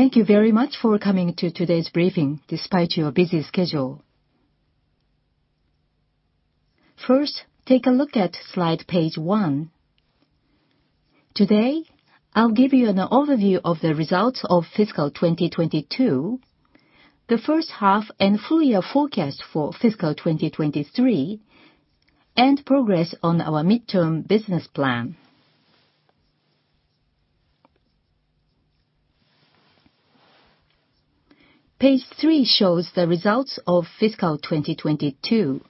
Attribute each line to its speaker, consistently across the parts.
Speaker 1: Thank you very much for coming to today's briefing despite your busy schedule. First, take a look at slide page 1. Today, I'll give you an overview of the results of fiscal 2022, the first half and full year forecast for fiscal 2023, and progress on our midterm business plan. Page 3 shows the results of fiscal 2022.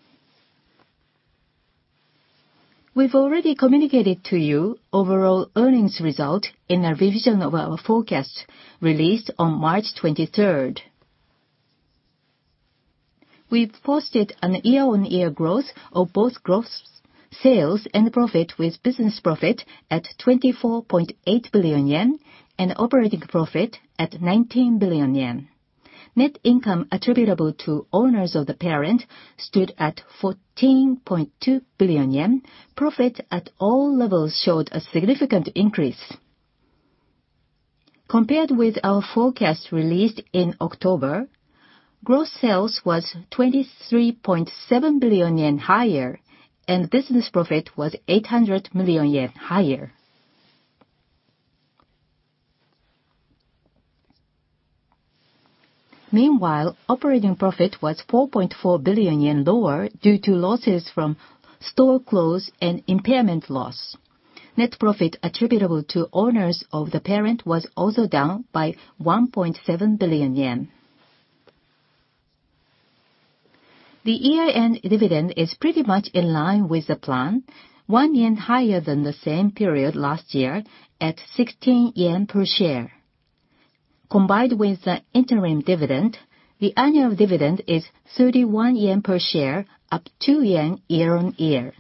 Speaker 1: We've already communicated to you overall earnings result in a revision of our forecast released on March 23rd. We've posted an year-on-year growth of both gross sales and profit with business profit at 24.8 billion yen and operating profit at 19 billion yen. Net income attributable to owners of the parent stood at 14.2 billion yen. Profit at all levels showed a significant increase. Compared with our forecast released in October, gross sales was 23.7 billion yen higher and business profit was 800 million yen higher. Meanwhile, operating profit was 4.4 billion yen lower due to losses from store close and impairment loss. Net profit attributable to owners of the parent was also down by 1.7 billion yen. The year-end dividend is pretty much in line with the plan, 1 yen higher than the same period last year at 16 yen per share. Combined with the interim dividend, the annual dividend is 31 yen per share, up 2 yen year-on-year.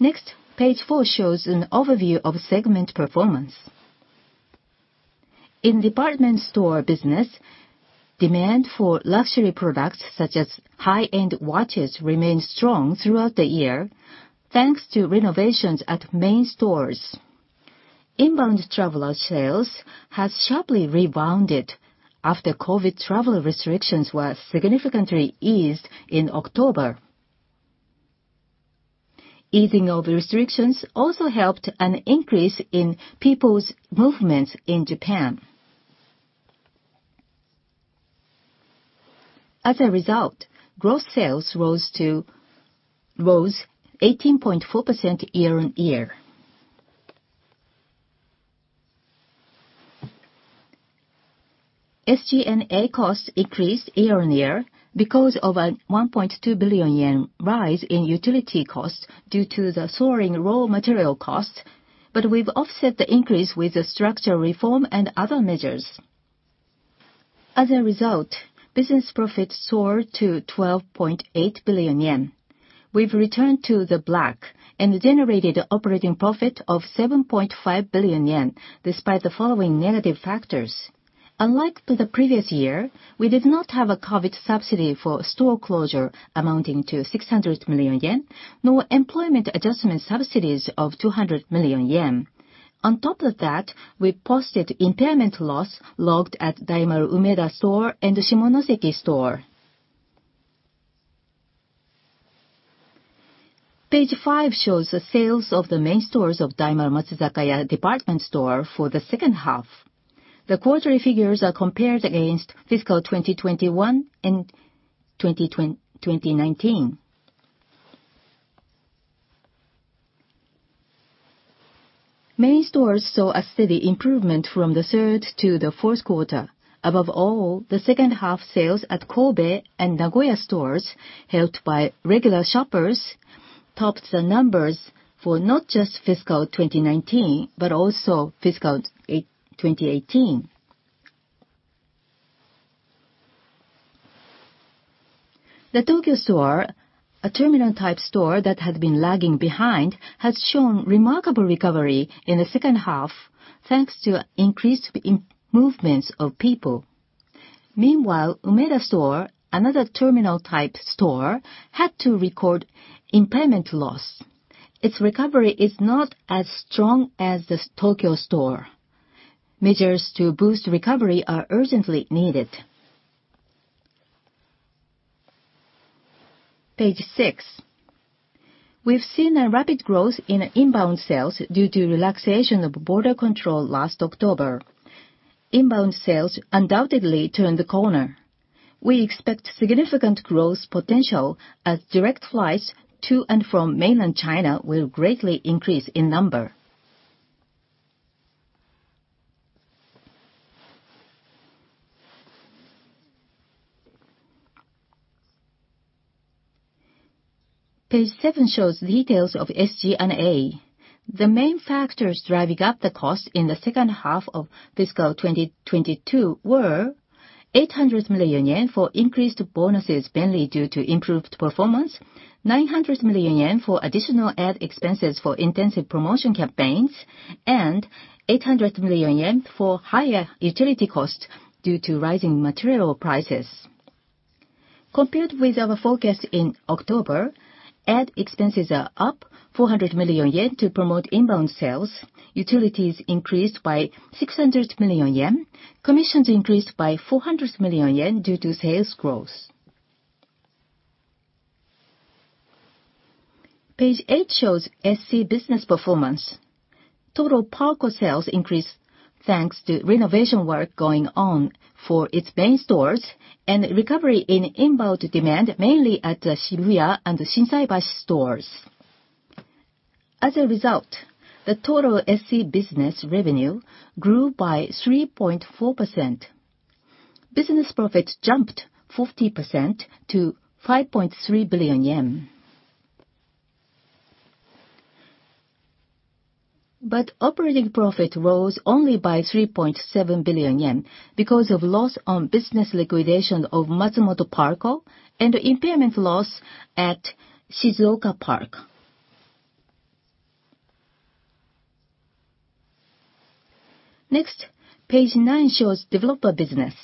Speaker 1: Next, page 4 shows an overview of segment performance. In department store business, demand for luxury products such as high-end watches remained strong throughout the year thanks to renovations at main stores. Inbound traveler sales has sharply rebounded after COVID travel restrictions were significantly eased in October. Easing of restrictions also helped an increase in people's movements in Japan. As a result, gross sales rose 18.4% year-on-year. SG&A costs increased year-on-year because of a 1.2 billion yen rise in utility costs due to the soaring raw material costs. We've offset the increase with the structural reform and other measures. As a result, business profits soar to 12.8 billion yen. We've returned to the black and generated operating profit of 7.5 billion yen despite the following negative factors. Unlike the previous year, we did not have a COVID subsidy for store closure amounting to 600 million yen, nor employment adjustment subsidies of 200 million yen. Page 5 shows the sales of the main stores of Daimaru Matsuzakaya department store for the second half. The quarterly figures are compared against fiscal 2021 and 2019. Main stores saw a steady improvement from the third to the fourth quarter. The second half sales at Kobe and Nagoya stores helped by regular shoppers topped the numbers for not just fiscal 2019, but also fiscal 2018. The Tokyo store, a terminal type store that had been lagging behind, has shown remarkable recovery in the second half thanks to increased in-movements of people. Umeda store, another terminal type store, had to record impairment loss. Its recovery is not as strong as the Tokyo store. Measures to boost recovery are urgently needed. Page 6. We've seen a rapid growth in inbound sales due to relaxation of border control last October. Inbound sales undoubtedly turned the corner. We expect significant growth potential as direct flights to and from mainland China will greatly increase in number. Page 7 shows details of SG&A. The main factors driving up the cost in the second half of fiscal 2022 were 800 million yen for increased bonuses mainly due to improved performance, 900 million yen for additional ad expenses for intensive promotion campaigns, and 800 million yen for higher utility costs due to rising material prices. Compared with our forecast in October, ad expenses are up 400 million yen to promote inbound sales. Utilities increased by 600 million yen. Commissions increased by 400 million yen due to sales growth. Page 8 shows SC Business performance. Total PARCO sales increased thanks to renovation work going on for its main stores and recovery in inbound demand, mainly at the Shibuya and Shinsaibashi stores. As a result, the total SC Business revenue grew by 3.4%. Business profits jumped 50% to JPY 5.3 billion. Operating profit rose only by 3.7 billion yen because of loss on business liquidation of Matsumoto PARCO and impairment loss at Shizuoka PARCO. Next, page nine shows developer business.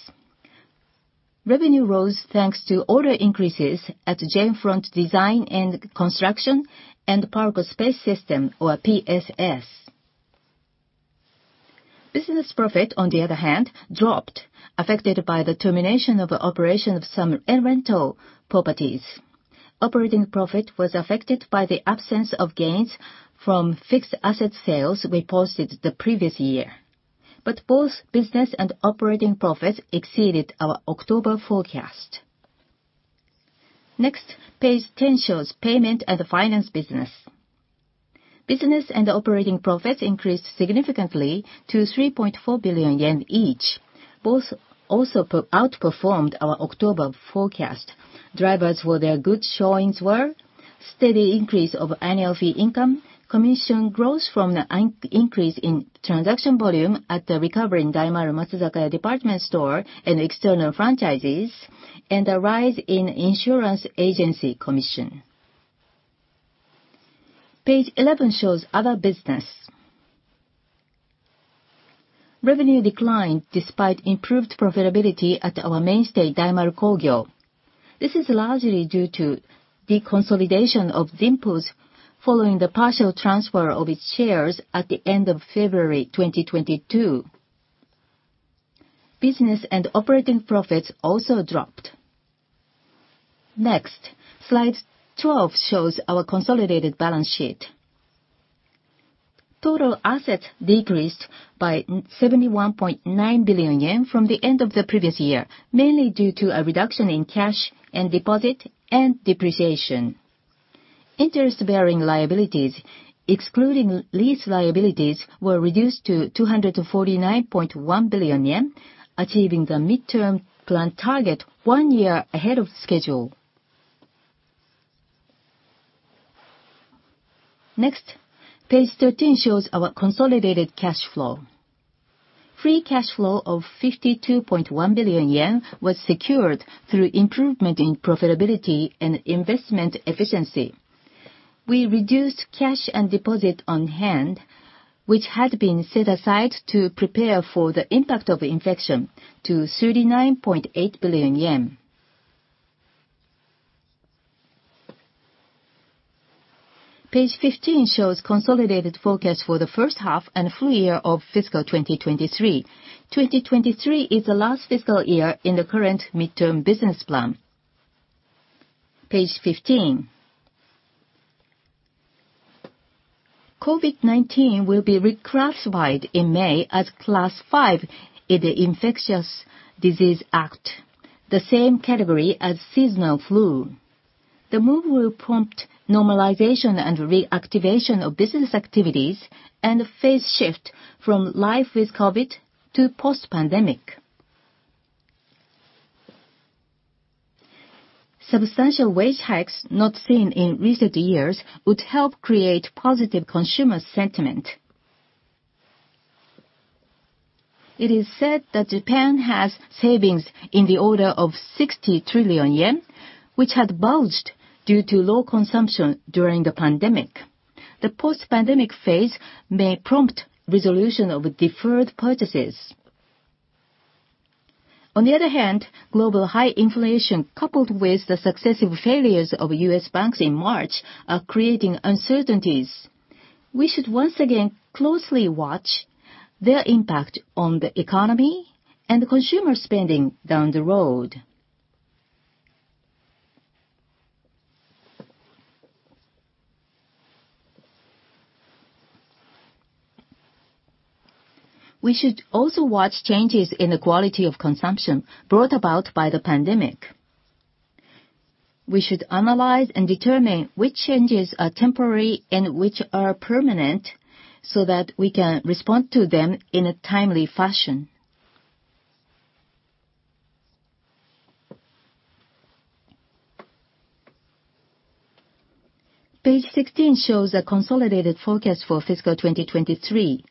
Speaker 1: Revenue rose thanks to order increases at J. Front Design & Construction and PARCO SPACE SYSTEMS, or PSS. Business profit, on the other hand, dropped, affected by the termination of the operation of some N rental properties. Operating profit was affected by the absence of gains from fixed asset sales we posted the previous year. Both business and operating profits exceeded our October forecast. Page 10 shows payment and finance business. Business and operating profits increased significantly to 3.4 billion yen each. Both also outperformed our October forecast. Drivers for their good showings were steady increase of annual fee income, commission growth from the increase in transaction volume at the recovering Daimaru Matsuzakaya department store and external franchises, and a rise in insurance agency commission. Page 11 shows other business. Revenue declined despite improved profitability at our mainstay, Daimaru Kogyo. This is largely due to the consolidation of Zimpus following the partial transfer of its shares at the end of February 2022. Business and operating profits also dropped. Slide 12 shows our consolidated balance sheet. Total assets decreased by 71.9 billion yen from the end of the previous year, mainly due to a reduction in cash and deposit and depreciation. Interest-bearing liabilities, excluding lease liabilities, were reduced to 249.1 billion yen, achieving the midterm plan target one year ahead of schedule. Page 13 shows our consolidated cash flow. Free cash flow of 52.1 billion yen was secured through improvement in profitability and investment efficiency. We reduced cash and deposit on hand, which had been set aside to prepare for the impact of the infection, to 39.8 billion yen. Page 15 shows consolidated forecast for the first half and full year of fiscal 2023. 2023 is the last fiscal year in the current midterm business plan. Page 15. COVID-19 will be reclassified in May as Class 5 in the Infectious Disease Act, the same category as seasonal flu. The move will prompt normalization and reactivation of business activities, and a phase shift from life with COVID to post-pandemic. Substantial wage hikes not seen in recent years would help create positive consumer sentiment. It is said that Japan has savings in the order of 60 trillion yen, which had bulged due to low consumption during the pandemic. The post-pandemic phase may prompt resolution of deferred purchases. On the other hand, global high inflation, coupled with the successive failures of U.S. banks in March, are creating uncertainties. We should once again closely watch their impact on the economy and consumer spending down the road. We should also watch changes in the quality of consumption brought about by the pandemic. We should analyze and determine which changes are temporary and which are permanent so that we can respond to them in a timely fashion. Page 16 shows a consolidated forecast for fiscal 2023.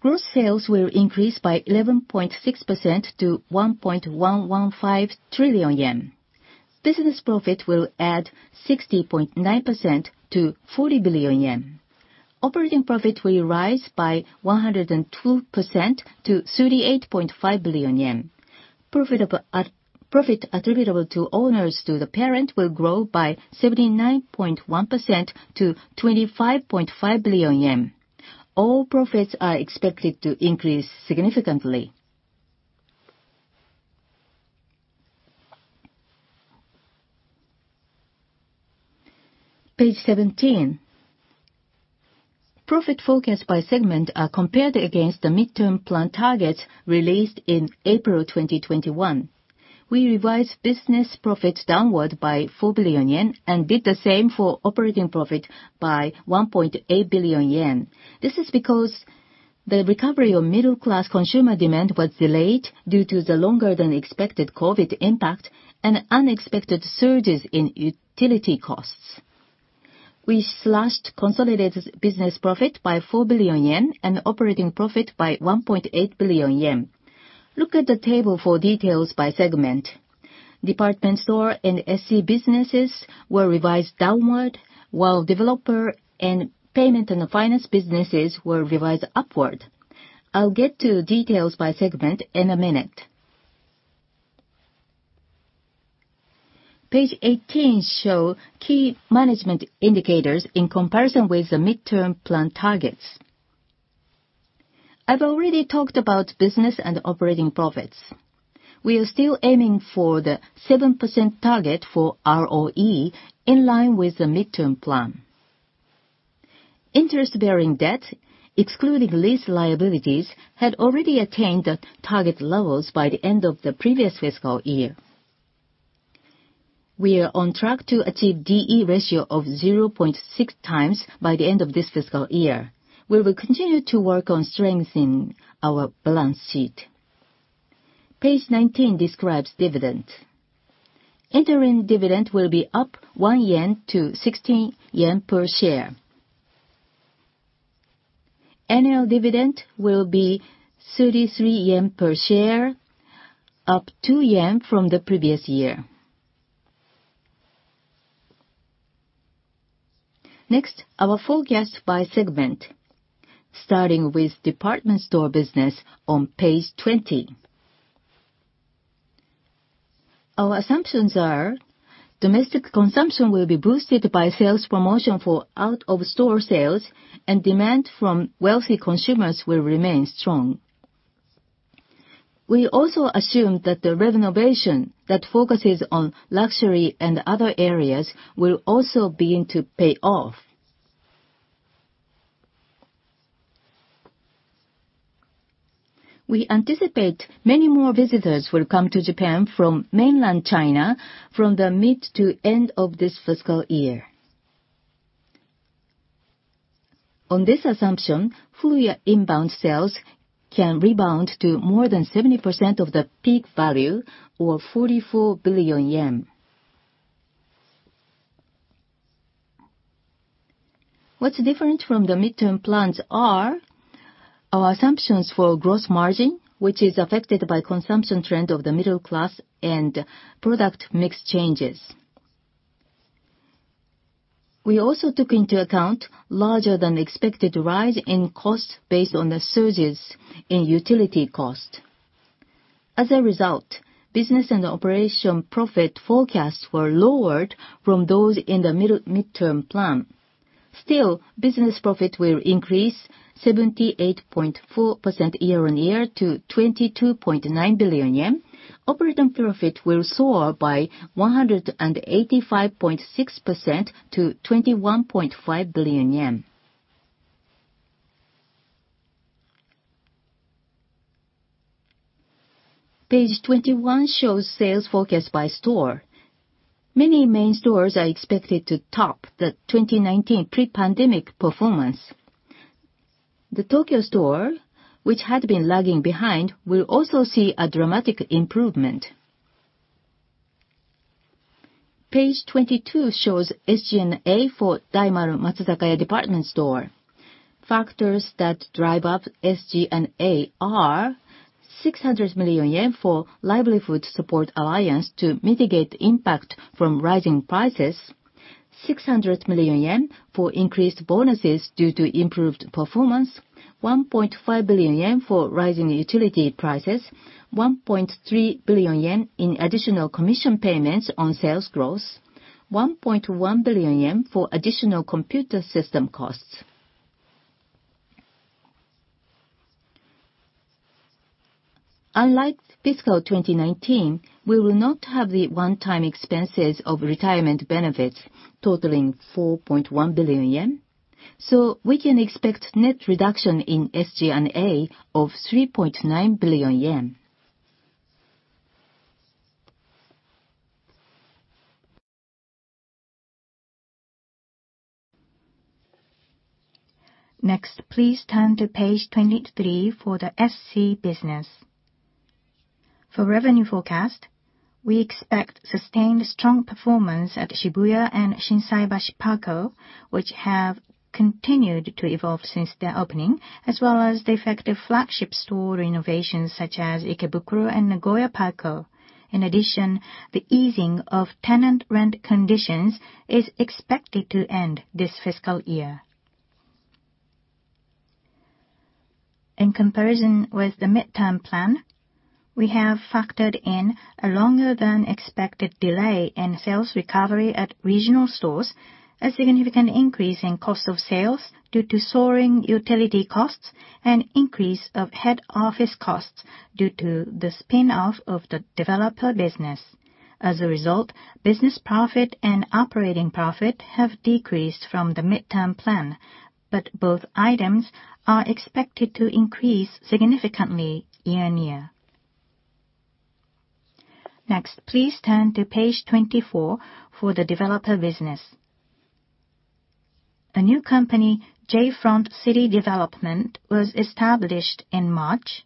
Speaker 1: Gross sales will increase by 11.6% to 1.115 trillion yen. Business profit will add 60.9% to 40 billion yen. Operating profit will rise by 102% to 38.5 billion yen. Profit attributable to owners to the parent will grow by 79.1% to 25.5 billion yen. All profits are expected to increase significantly. Page 17. Profit forecast by segment are compared against the midterm plan targets released in April 2021. We revised business profits downward by 4 billion yen and did the same for operating profit by 1.8 billion yen. This is because the recovery of middle-class consumer demand was delayed due to the longer than expected COVID impact and unexpected surges in utility costs. We slashed consolidated business profit by 4 billion yen and operating profit by 1.8 billion yen. Look at the table for details by segment. Department store and SC businesses were revised downward, while developer and the payment and finance businesses were revised upward. I'll get to details by segment in a minute. Page 18 show key management indicators in comparison with the midterm plan targets. I've already talked about business and operating profits. We are still aiming for the 7% target for ROE in line with the midterm plan. Interest-bearing debt, excluding lease liabilities, had already attained the target levels by the end of the previous fiscal year. We are on track to achieve D/E ratio of 0.6x by the end of this fiscal year. We will continue to work on strengthening our balance sheet. Page 19 describes dividend. Interim dividend will be up 1 yen to 16 yen per share. Annual dividend will be 33 yen per share, up 2 yen from the previous year. Next, our forecast by segment, starting with department store business on page 20. Our assumptions are domestic consumption will be boosted by sales promotion for out of store sales and demand from wealthy consumers will remain strong. We also assume that the renovation that focuses on luxury and other areas will also begin to pay off. We anticipate many more visitors will come to Japan from mainland China from the mid to end of this fiscal year. On this assumption, full year inbound sales can rebound to more than 70% of the peak value or 44 billion yen. What's different from the midterm plans are our assumptions for gross margin, which is affected by consumption trend of the middle class and product mix changes. We also took into account larger than expected rise in costs based on the surges in utility cost. As a result, business and operating profit forecasts were lowered from those in the midterm plan. Still, business profit will increase 78.4% year-on-year to 22.9 billion yen. Operating profit will soar by 185.6% to JPY 21.5 billion. Page 21 shows sales forecast by store. Many main stores are expected to top the 2019 pre-pandemic performance. The Tokyo store, which had been lagging behind, will also see a dramatic improvement. Page 22 shows SG&A for Daimaru Matsuzakaya Department Store. Factors that drive up SG&A are 600 million yen for livelihood support alliance to mitigate impact from rising prices, 600 million yen for increased bonuses due to improved performance, 1.5 billion yen for rising utility prices, 1.3 billion yen in additional commission payments on sales growth, 1.1 billion yen for additional computer system costs. Unlike fiscal 2019, we will not have the one-time expenses of retirement benefits totaling 4.1 billion yen. We can expect net reduction in SG&A of 3.9 billion yen. Next, please turn to page 23 for the SC Business. For revenue forecast, we expect sustained strong performance at Shibuya and Shinsaibashi PARCO, which have continued to evolve since their opening, as well as the effective flagship store renovations such as Ikebukuro and Nagoya PARCO. In addition, the easing of tenant rent conditions is expected to end this fiscal year.
Speaker 2: In comparison with the midterm plan, we have factored in a longer than expected delay in sales recovery at regional stores, a significant increase in cost of sales due to soaring utility costs, and increase of head office costs due to the spin-off of the developer business. As a result, business profit and operating profit have decreased from the midterm plan, but both items are expected to increase significantly year-on-year. Next, please turn to page 24 for the developer business. A new company, J. Front City Development, was established in March,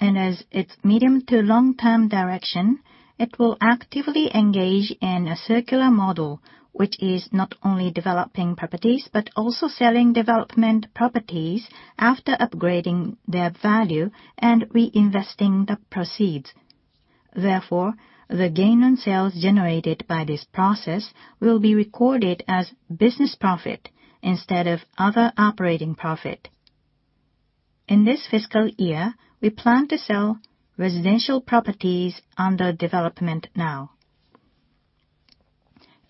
Speaker 2: and as its medium to long-term direction, it will actively engage in a circular model, which is not only developing properties but also selling development properties after upgrading their value and reinvesting the proceeds. Therefore, the gain on sales generated by this process will be recorded as business profit instead of other operating profit. In this fiscal year, we plan to sell residential properties under development now.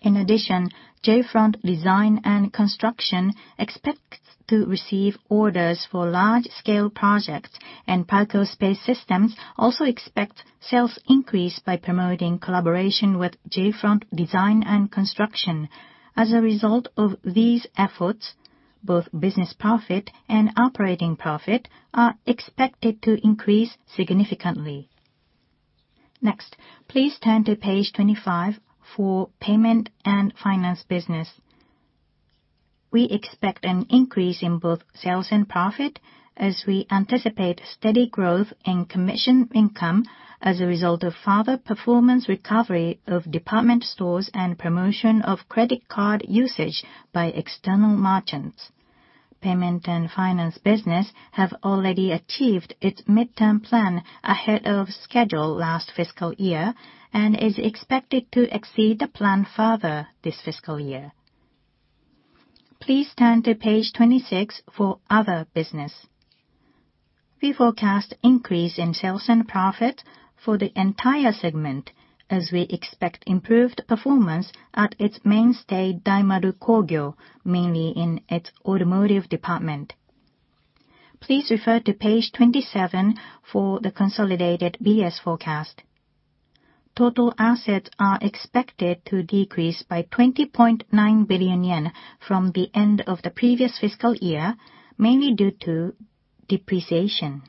Speaker 2: In addition, J. Front Design & Construction expects to receive orders for large-scale projects, and PARCO SPACE SYSTEMS also expects sales increase by promoting collaboration with J. Front Design & Construction. As a result of these efforts, both business profit and operating profit are expected to increase significantly. Please turn to page 25 for Payment and finance business. We expect an increase in both sales and profit as we anticipate steady growth in commission income as a result of further performance recovery of department stores and promotion of credit card usage by external merchants. Payment and finance business have already achieved its midterm plan ahead of schedule last fiscal year and is expected to exceed the plan further this fiscal year. Please turn to page 26 for Other business. We forecast increase in sales and profit for the entire segment as we expect improved performance at its mainstay, Daimaru Kogyo, mainly in its automotive department. Please refer to page 27 for the consolidated BS forecast. Total assets are expected to decrease by 20.9 billion yen from the end of the previous fiscal year, mainly due to depreciation.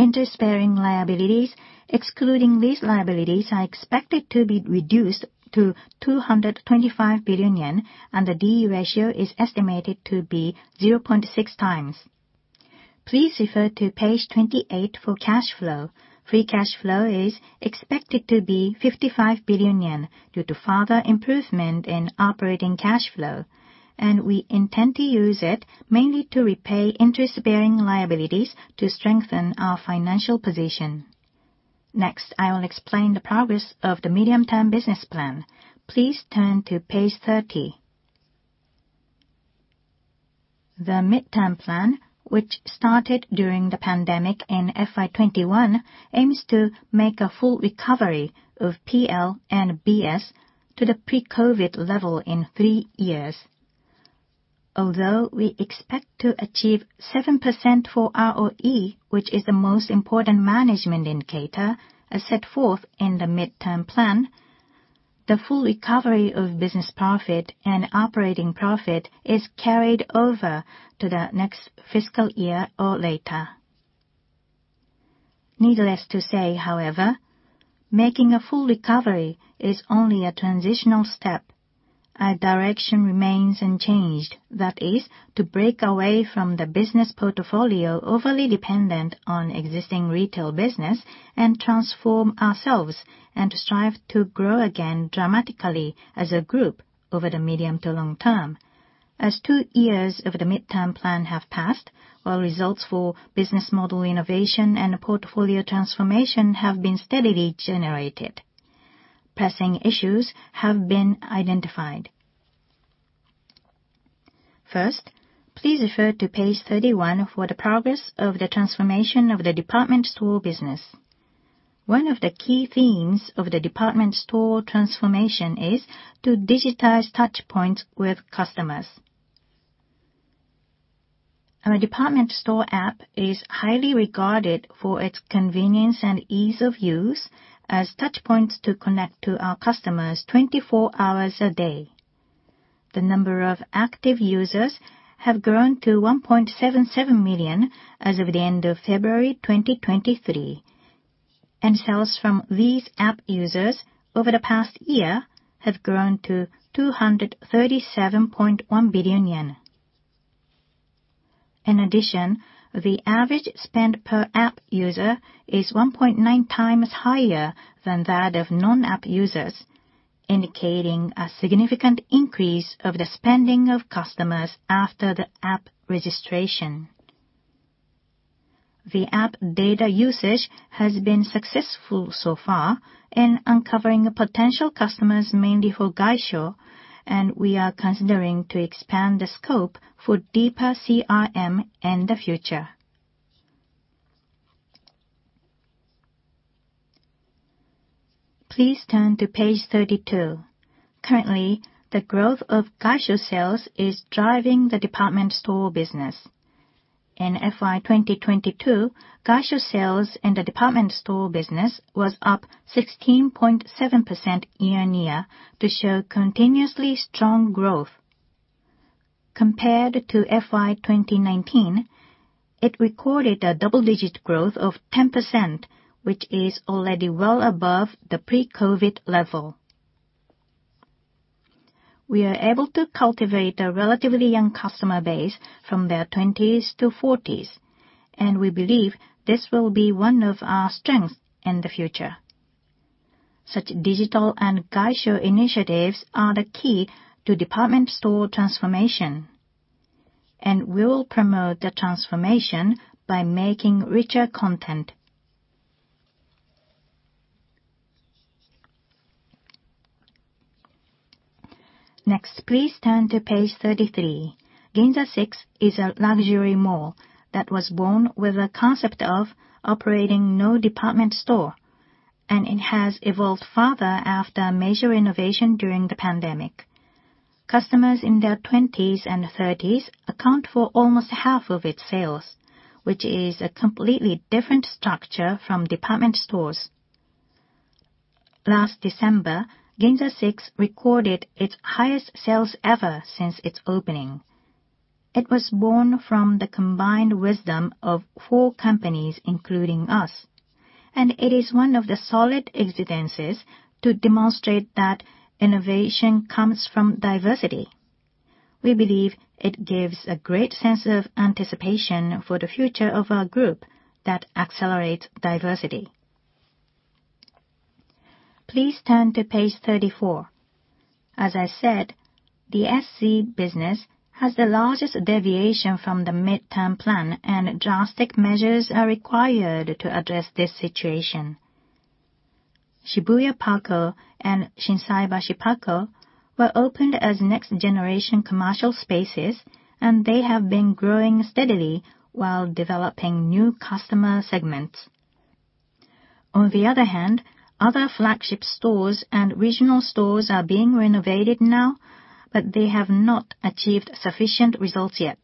Speaker 2: Interest-bearing liabilities, excluding these liabilities, are expected to be reduced to 225 billion yen, and the D/E ratio is estimated to be 0.6 times. Please refer to page 28 for cash flow. Free cash flow is expected to be 55 billion yen due to further improvement in operating cash flow, and we intend to use it mainly to repay interest-bearing liabilities to strengthen our financial position. I will explain the progress of the medium-term business plan. Please turn to page 30. The midterm plan, which started during the pandemic in FY 2021, aims to make a full recovery of PL and BS to the pre-COVID level in three years. We expect to achieve 7% for ROE, which is the most important management indicator as set forth in the midterm plan, the full recovery of business profit and operating profit is carried over to the next fiscal year or later. Needless to say, however, making a full recovery is only a transitional step. Our direction remains unchanged. That is to break away from the business portfolio overly dependent on existing retail business and transform ourselves, and to strive to grow again dramatically as a group over the medium to long term. Two years of the midterm plan have passed, while results for business model innovation and portfolio transformation have been steadily generated, pressing issues have been identified. Please refer to page 31 for the progress of the transformation of the department store business. One of the key themes of the department store transformation is to digitize touchpoints with customers. Our department store app is highly regarded for its convenience and ease of use as touchpoints to connect to our customers 24 hours a day. The number of active users have grown to 1.77 million as of the end of February 2023. Sales from these app users over the past year have grown to 237.1 billion yen. The average spend per app user is 1.9 times higher than that of non-app users, indicating a significant increase of the spending of customers after the app registration. The app data usage has been successful so far in uncovering potential customers, mainly for Gaisho, and we are considering to expand the scope for deeper CRM in the future. Please turn to page 32. Currently, the growth of Gaisho sales is driving the department store business. In FY 2022, Gaisho sales in the department store business was up 16.7% year-on-year to show continuously strong growth. Compared to FY 2019, it recorded a double-digit growth of 10%, which is already well above the pre-COVID level. We are able to cultivate a relatively young customer base from their twenties to forties, and we believe this will be one of our strengths in the future. Such digital and gaisho initiatives are the key to department store transformation. We will promote the transformation by making richer content. Next, please turn to page 33. GINZA SIX is a luxury mall that was born with a concept of operating no department store. It has evolved further after major innovation during the pandemic. Customers in their 20s and 30s account for almost half of its sales, which is a completely different structure from department stores. Last December, GINZA SIX recorded its highest sales ever since its opening. It was born from the combined wisdom of four companies, including us. It is one of the solid evidences to demonstrate that innovation comes from diversity. We believe it gives a great sense of anticipation for the future of our group that accelerates diversity. Please turn to page 34. As I said, the SC Business has the largest deviation from the midterm plan. Drastic measures are required to address this situation. Shibuya PARCO and Shinsaibashi PARCO were opened as next-generation commercial spaces. They have been growing steadily while developing new customer segments. On the other hand, other flagship stores and regional stores are being renovated now, but they have not achieved sufficient results yet.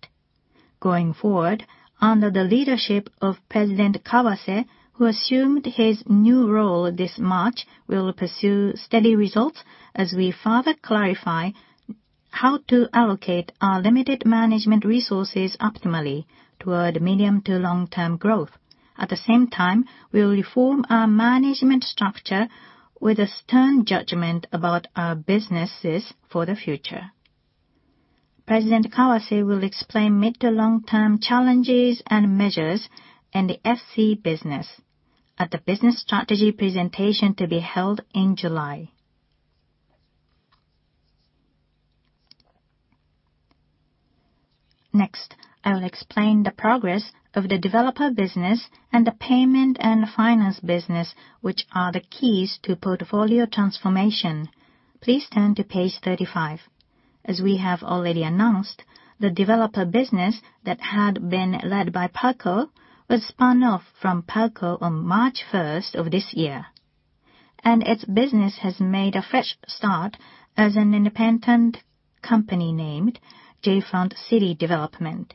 Speaker 2: Going forward, under the leadership of President Kawase, who assumed his new role this March, we will pursue steady results as we further clarify how to allocate our limited management resources optimally toward medium to long-term growth. At the same time, we will reform our management structure with a stern judgment about our businesses for the future. President Kawase will explain mid to long-term challenges and measures in the SC Business at the business strategy presentation to be held in July. Next, I will explain the progress of the developer business and the payment and finance business, which are the keys to portfolio transformation. Please turn to page 35. As we have already announced, the developer business that had been led by PARCO was spun off from PARCO on March 1st of this year, and its business has made a fresh start as an independent company named J. Front City Development.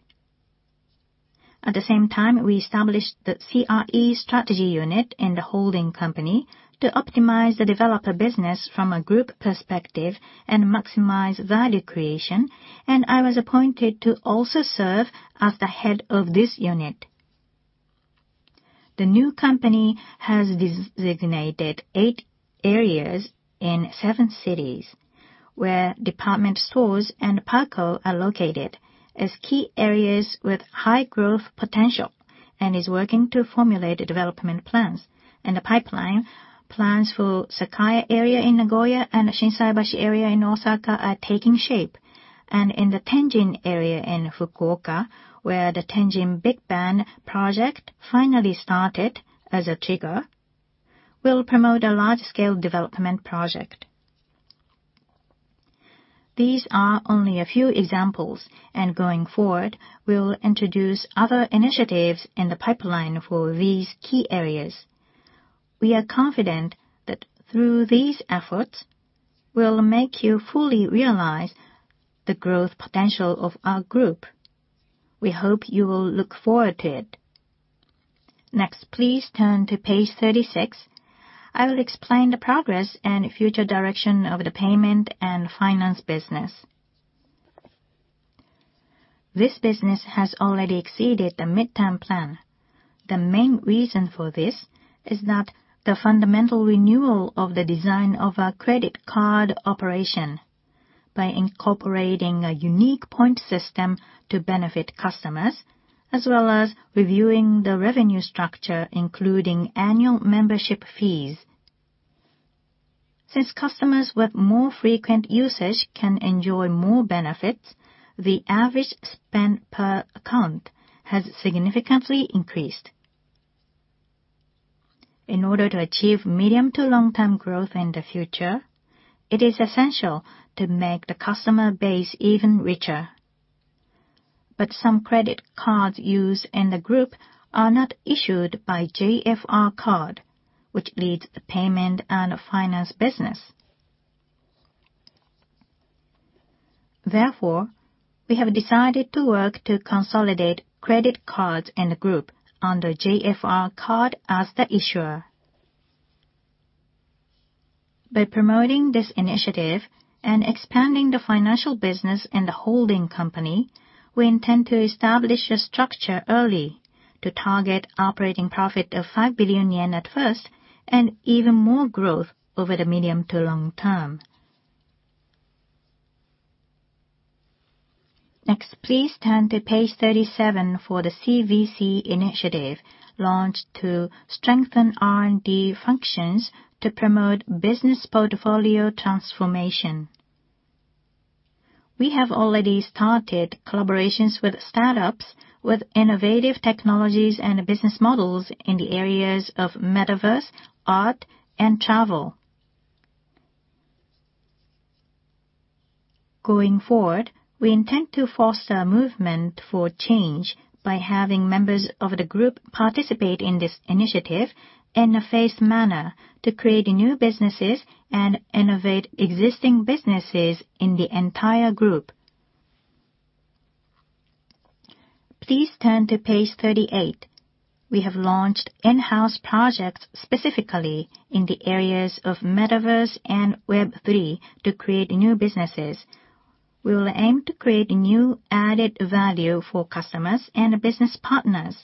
Speaker 2: At the same time, we established the CRE Strategy Unit in the holding company to optimize the developer business from a group perspective and maximize value creation, and I was appointed to also serve as the head of this unit. The new company has designated 8 areas in 7 cities where department stores and PARCO are located as key areas with high growth potential and is working to formulate development plans. In the pipeline, plans for Sakae area in Nagoya and Shinsaibashi area in Osaka are taking shape. In the Tenjin area in Fukuoka, where the Tenjin Big Bang project finally started as a trigger, we'll promote a large-scale development project. These are only a few examples, and going forward, we'll introduce other initiatives in the pipeline for these key areas. We are confident that through these efforts, we'll make you fully realize the growth potential of our group. We hope you will look forward to it. Next, please turn to page 36. I will explain the progress and future direction of the payment and finance business. This business has already exceeded the midterm plan. The main reason for this is that the fundamental renewal of the design of our credit card operation by incorporating a unique point system to benefit customers, as well as reviewing the revenue structure, including annual membership fees. Since customers with more frequent usage can enjoy more benefits, the average spend per account has significantly increased. In order to achieve medium to long-term growth in the future, it is essential to make the customer base even richer. Some credit cards used in the group are not issued by JFR Card, which leads the payment and finance business. Therefore, we have decided to work to consolidate credit cards in the group under JFR Card as the issuer. By promoting this initiative and expanding the financial business in the holding company, we intend to establish a structure early to target operating profit of 5 billion yen at first and even more growth over the medium to long term. Please turn to page 37 for the CVC initiative launched to strengthen R&D functions to promote business portfolio transformation. We have already started collaborations with startups with innovative technologies and business models in the areas of metaverse, art, and travel. We intend to foster movement for change by having members of the group participate in this initiative in a phased manner to create new businesses and innovate existing businesses in the entire group. Please turn to page 38. We have launched in-house projects specifically in the areas of metaverse and Web3 to create new businesses. We will aim to create new added value for customers and business partners,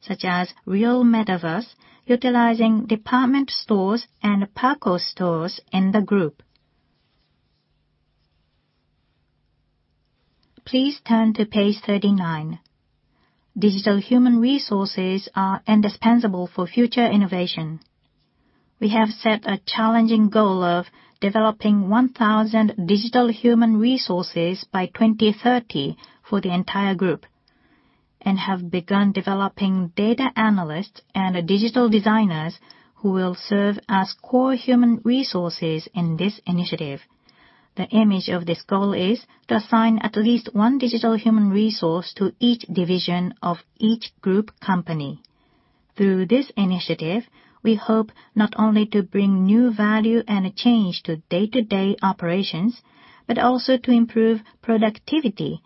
Speaker 2: such as real metaverse, utilizing department stores and PARCO stores in the group. Please turn to page 39. Digital human resources are indispensable for future innovation. We have set a challenging goal of developing 1,000 digital human resources by 2030 for the entire group and have begun developing data analysts and digital designers who will serve as core human resources in this initiative. The image of this goal is to assign at least one digital human resource to each division of each group company. Through this initiative, we hope not only to bring new value and a change to day-to-day operations, but also to improve productivity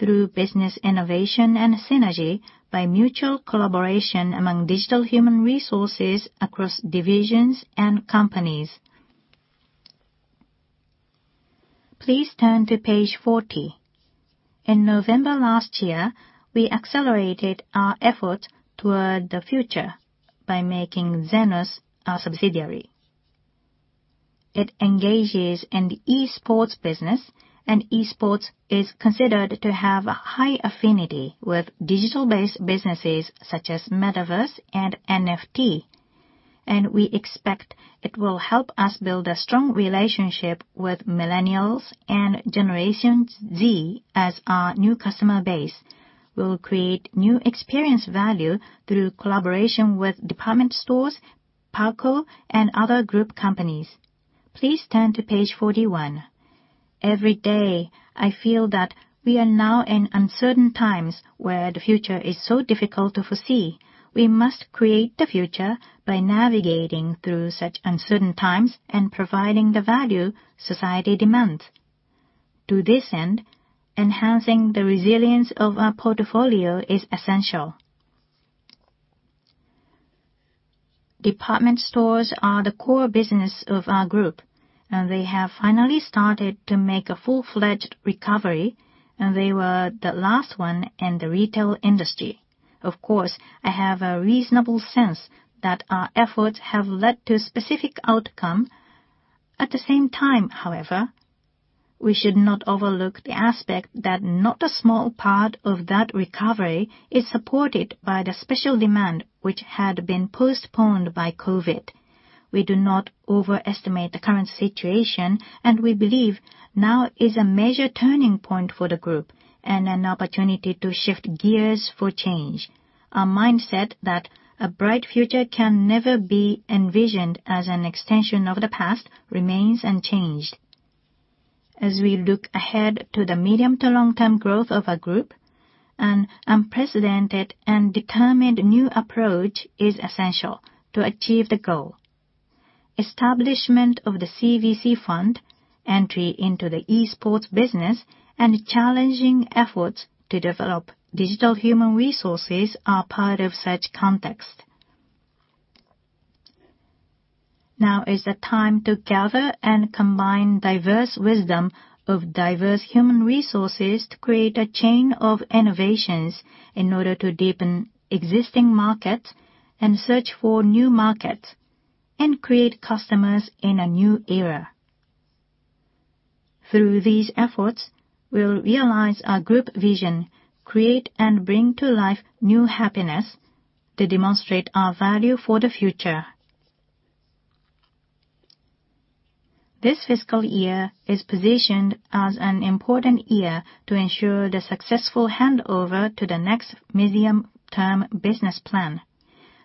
Speaker 2: through business innovation and synergy by mutual collaboration among digital human resources across divisions and companies. Please turn to page 40. In November last year, we accelerated our effort toward the future by making XENOZ our subsidiary. It engages in the esports business, and esports is considered to have high affinity with digital-based businesses such as metaverse and NFT. We expect it will help us build a strong relationship with millennials and Generation Z as our new customer base. We'll create new experience value through collaboration with department stores, PARCO, and other group companies. Please turn to page 41. Every day, I feel that we are now in uncertain times where the future is so difficult to foresee. We must create the future by navigating through such uncertain times and providing the value society demands. To this end, enhancing the resilience of our portfolio is essential. Department stores are the core business of our group, and they have finally started to make a full-fledged recovery, and they were the last one in the retail industry. Of course, I have a reasonable sense that our efforts have led to a specific outcome. At the same time, however, we should not overlook the aspect that not a small part of that recovery is supported by the special demand which had been postponed by COVID. We do not overestimate the current situation, and we believe now is a major turning point for the group and an opportunity to shift gears for change. Our mindset that a bright future can never be envisioned as an extension of the past remains unchanged. As we look ahead to the medium to long-term growth of our group, an unprecedented and determined new approach is essential to achieve the goal. Establishment of the CVC fund, entry into the esports business, and challenging efforts to develop digital human resources are part of such context. Now is the time to gather and combine diverse wisdom of diverse human resources to create a chain of innovations in order to deepen existing markets and search for new markets and create customers in a new era.
Speaker 1: Through these efforts, we'll realize our group vision, create and bring to life new happiness to demonstrate our value for the future. This fiscal year is positioned as an important year to ensure the successful handover to the next medium term business plan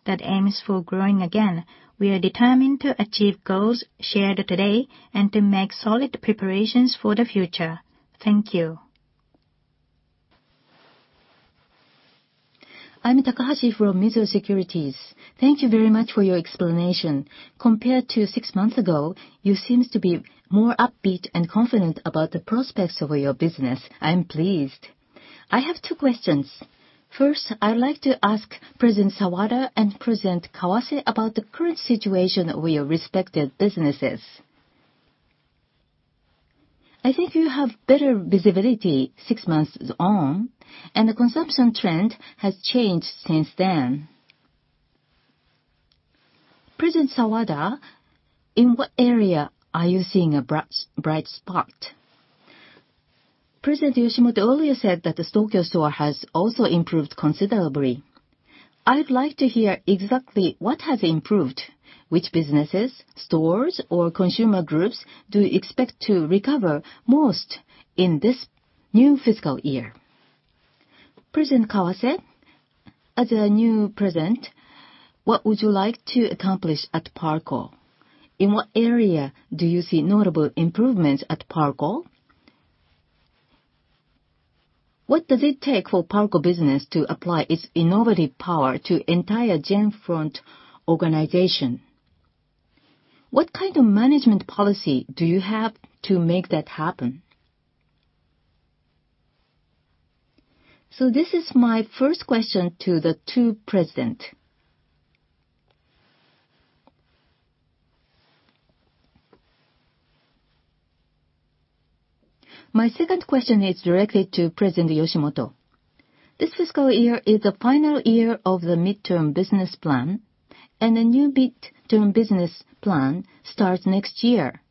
Speaker 1: that aims for growing again. We are determined to achieve goals shared today and to make solid preparations for the future. Thank you.
Speaker 3: I'm Takahashi from Mizuho Securities. Thank you very much for your explanation. Compared to six months ago, you seems to be more upbeat and confident about the prospects of your business. I am pleased. I have two questions. First, I'd like to ask President Sawada and President Kawase about the current situation with your respective businesses. I think you have better visibility six months on, and the consumption trend has changed since then. President Sawada, in what area are you seeing a bright spot? President Yoshimoto earlier said that the Tokyo store has also improved considerably. I would like to hear exactly what has improved. Which businesses, stores, or consumer groups do you expect to recover most in this new fiscal year? President Kawase, as a new president, what would you like to accomplish at PARCO? In what area do you see notable improvements at PARCO? What does it take for PARCO Business to apply its innovative power to entire J. Front organization? What kind of management policy do you have to make that happen? This is my first question to the two president. My second question is directly to President Yoshimoto. This fiscal year is the final year of the midterm business plan, and a new midterm business plan starts next year.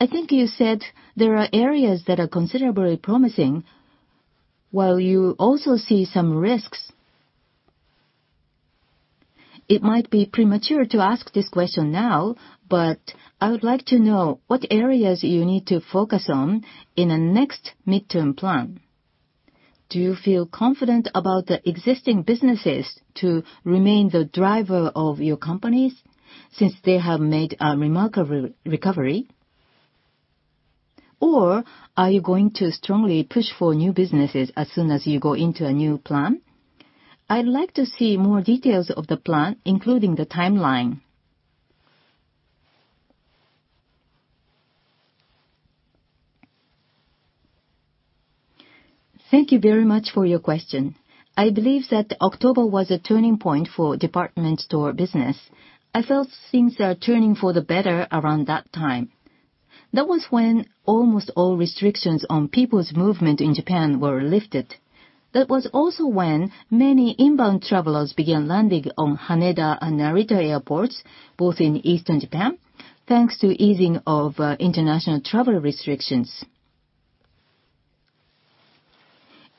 Speaker 3: I think you said there are areas that are considerably promising, while you also see some risks. It might be premature to ask this question now, but I would like to know what areas you need to focus on in the next midterm plan? Do you feel confident about the existing businesses to remain the driver of your companies since they have made a remarkable recovery? Are you going to strongly push for new businesses as soon as you go into a new plan? I'd like to see more details of the plan, including the timeline.
Speaker 2: Thank you very much for your question. I believe that October was a turning point for department store business. I felt things are turning for the better around that time. That was when almost all restrictions on people's movement in Japan were lifted. That was also when many inbound travelers began landing on Haneda and Narita airports, both in eastern Japan, thanks to easing of international travel restrictions.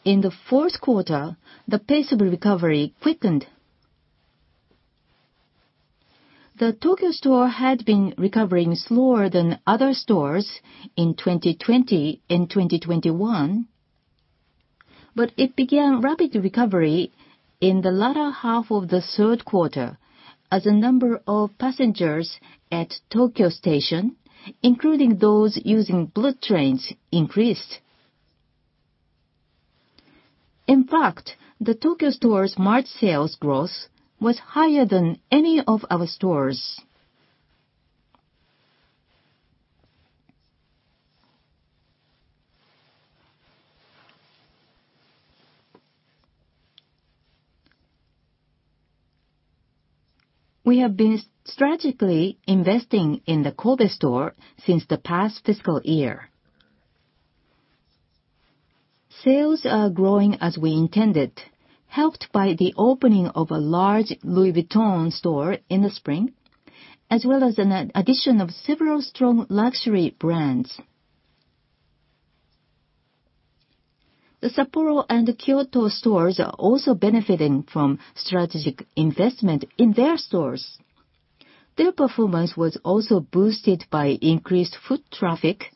Speaker 2: In the 4th quarter, the pace of recovery quickened. The Tokyo store had been recovering slower than other stores in 2020 and 2021, but it began rapid recovery in the latter half of the 3rd quarter as the number of passengers at Tokyo Station, including those using bullet trains, increased. In fact, the Tokyo store's March sales growth was higher than any of our stores. We have been strategically investing in the Kobe store since the past fiscal year. Sales are growing as we intended, helped by the opening of a large Louis Vuitton store in the spring, as well as an addition of several strong luxury brands. The Sapporo and Kyoto stores are also benefiting from strategic investment in their stores. Their performance was also boosted by increased foot traffic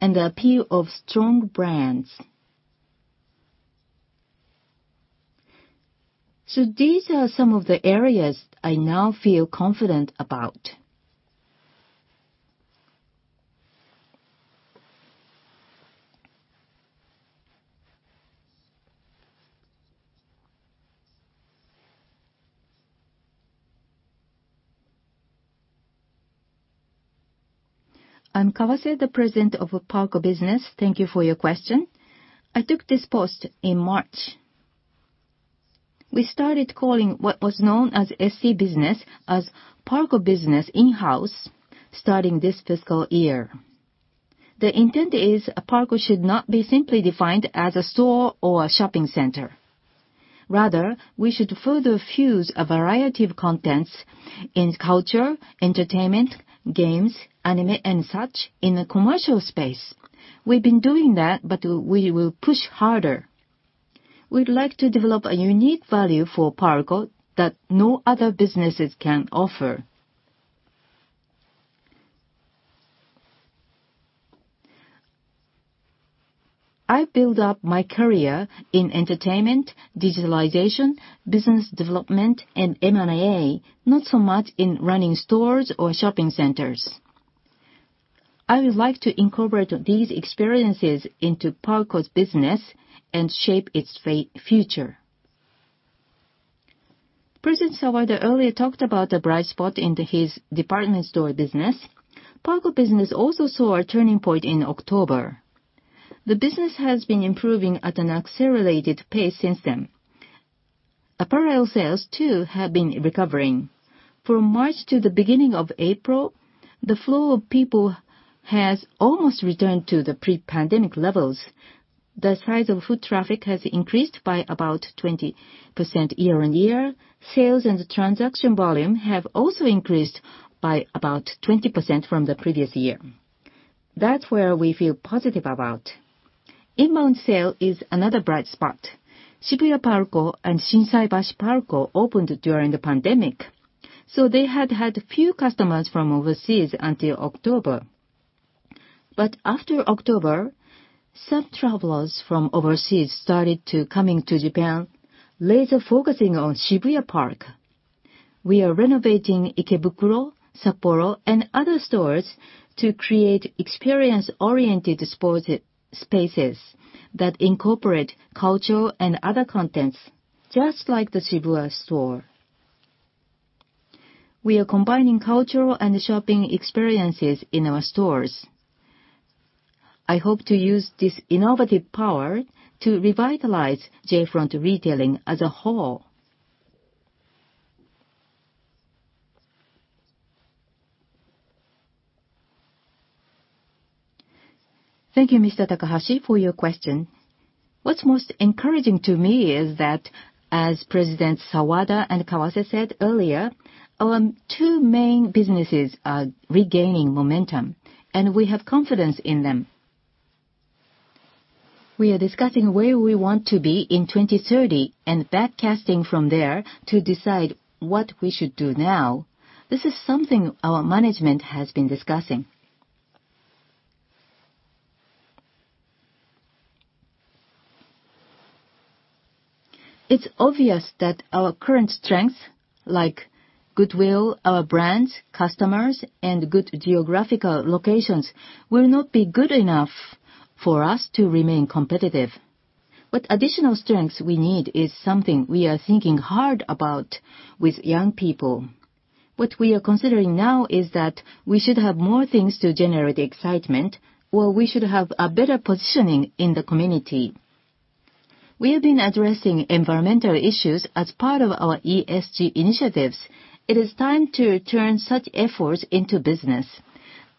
Speaker 2: and the appeal of strong brands. These are some of the areas I now feel confident about.
Speaker 4: I'm Kawase, the President of PARCO Business. Thank you for your question. I took this post in March. We started calling what was known as SC Business as PARCO Business in-house starting this fiscal year. The intent is PARCO should not be simply defined as a store or a shopping center. Rather, we should further fuse a variety of contents in culture, entertainment, games, anime, and such in a commercial space. We've been doing that, but we will push harder. We'd like to develop a unique value for PARCO that no other businesses can offer. I build up my career in entertainment, digitalization, business development, and M&A, not so much in running stores or shopping centers. I would like to incorporate these experiences into PARCO Business and shape its fate future. President Sawada earlier talked about the bright spot into his department store business. PARCO Business also saw a turning point in October. The business has been improving at an accelerated pace since then. Apparel sales, too, have been recovering. From March to the beginning of April, the flow of people has almost returned to the pre-pandemic levels. The size of foot traffic has increased by about 20% year-on-year. Sales and transaction volume have also increased by about 20% from the previous year. That's where we feel positive about. Inbound sale is another bright spot. Shibuya PARCO and Shinsaibashi PARCO opened during the pandemic. They had had few customers from overseas until October. After October, some travelers from overseas started to coming to Japan, later focusing on Shibuya PARCO. We are renovating Ikebukuro, Sapporo, and other stores to create experience-oriented spaces that incorporate culture and other contents, just like the Shibuya store. We are combining cultural and shopping experiences in our stores. I hope to use this innovative power to revitalize J. Front Retailing as a whole.
Speaker 1: Thank you, Mr. Takahashi, for your question. What's most encouraging to me is that as Presidents Sawada and Kawase said earlier, our two main businesses are regaining momentum, and we have confidence in them. We are discussing where we want to be in 2030 and back casting from there to decide what we should do now. This is something our management has been discussing. It's obvious that our current strength, like goodwill, our brands, customers, and good geographical locations, will not be good enough for us to remain competitive. What additional strengths we need is something we are thinking hard about with young people. What we are considering now is that we should have more things to generate excitement, or we should have a better positioning in the community. We have been addressing environmental issues as part of our ESG initiatives. It is time to turn such efforts into business.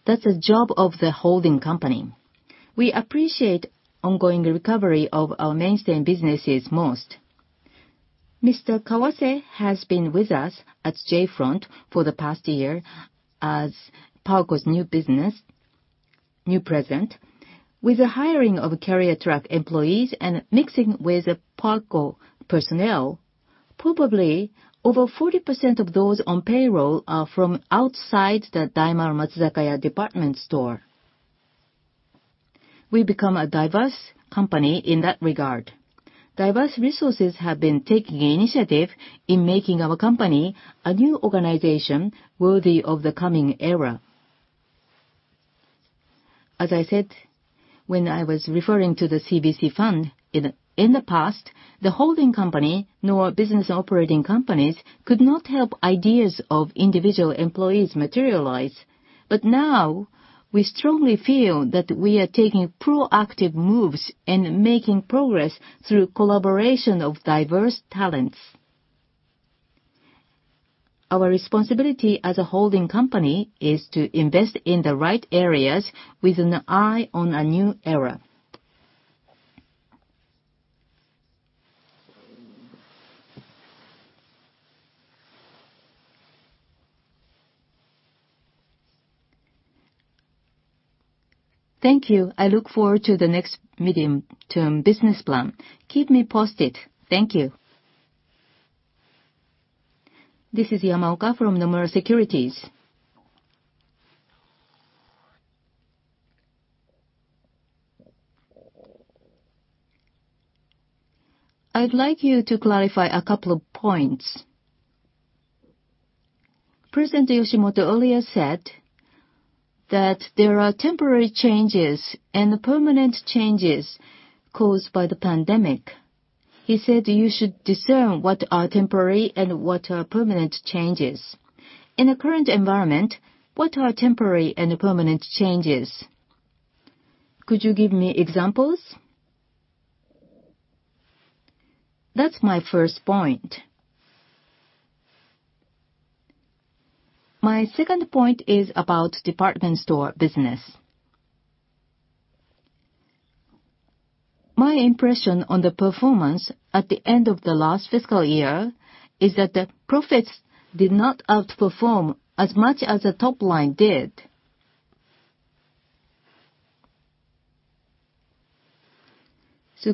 Speaker 1: That's the job of the holding company. We appreciate ongoing recovery of our mainstay businesses most. Mr. Kawase has been with us at J. Front for the past year as PARCO's new business new president. With the hiring of career track employees and mixing with PARCO personnel, probably over 40% of those on payroll are from outside the Daimaru Matsuzakaya Department Store. We've become a diverse company in that regard. Diverse resources have been taking initiative in making our company a new organization worthy of the coming era. As I said, when I was referring to the CVC fund, in the past, the holding company, nor business operating companies, could not help ideas of individual employees materialize. Now we strongly feel that we are taking proactive moves and making progress through collaboration of diverse talents. Our responsibility as a holding company is to invest in the right areas with an eye on a new era.
Speaker 3: Thank you. I look forward to the next medium-term business plan. Keep me posted. Thank you.
Speaker 5: This is Yamaoka from Nomura Securities. I'd like you to clarify a couple of points. President Yoshimoto earlier said that there are temporary changes and permanent changes caused by the pandemic. He said you should discern what are temporary and what are permanent changes. In the current environment, what are temporary and permanent changes? Could you give me examples? That's my first point. My second point is about department store business. My impression on the performance at the end of the last fiscal year is that the profits did not outperform as much as the top line did.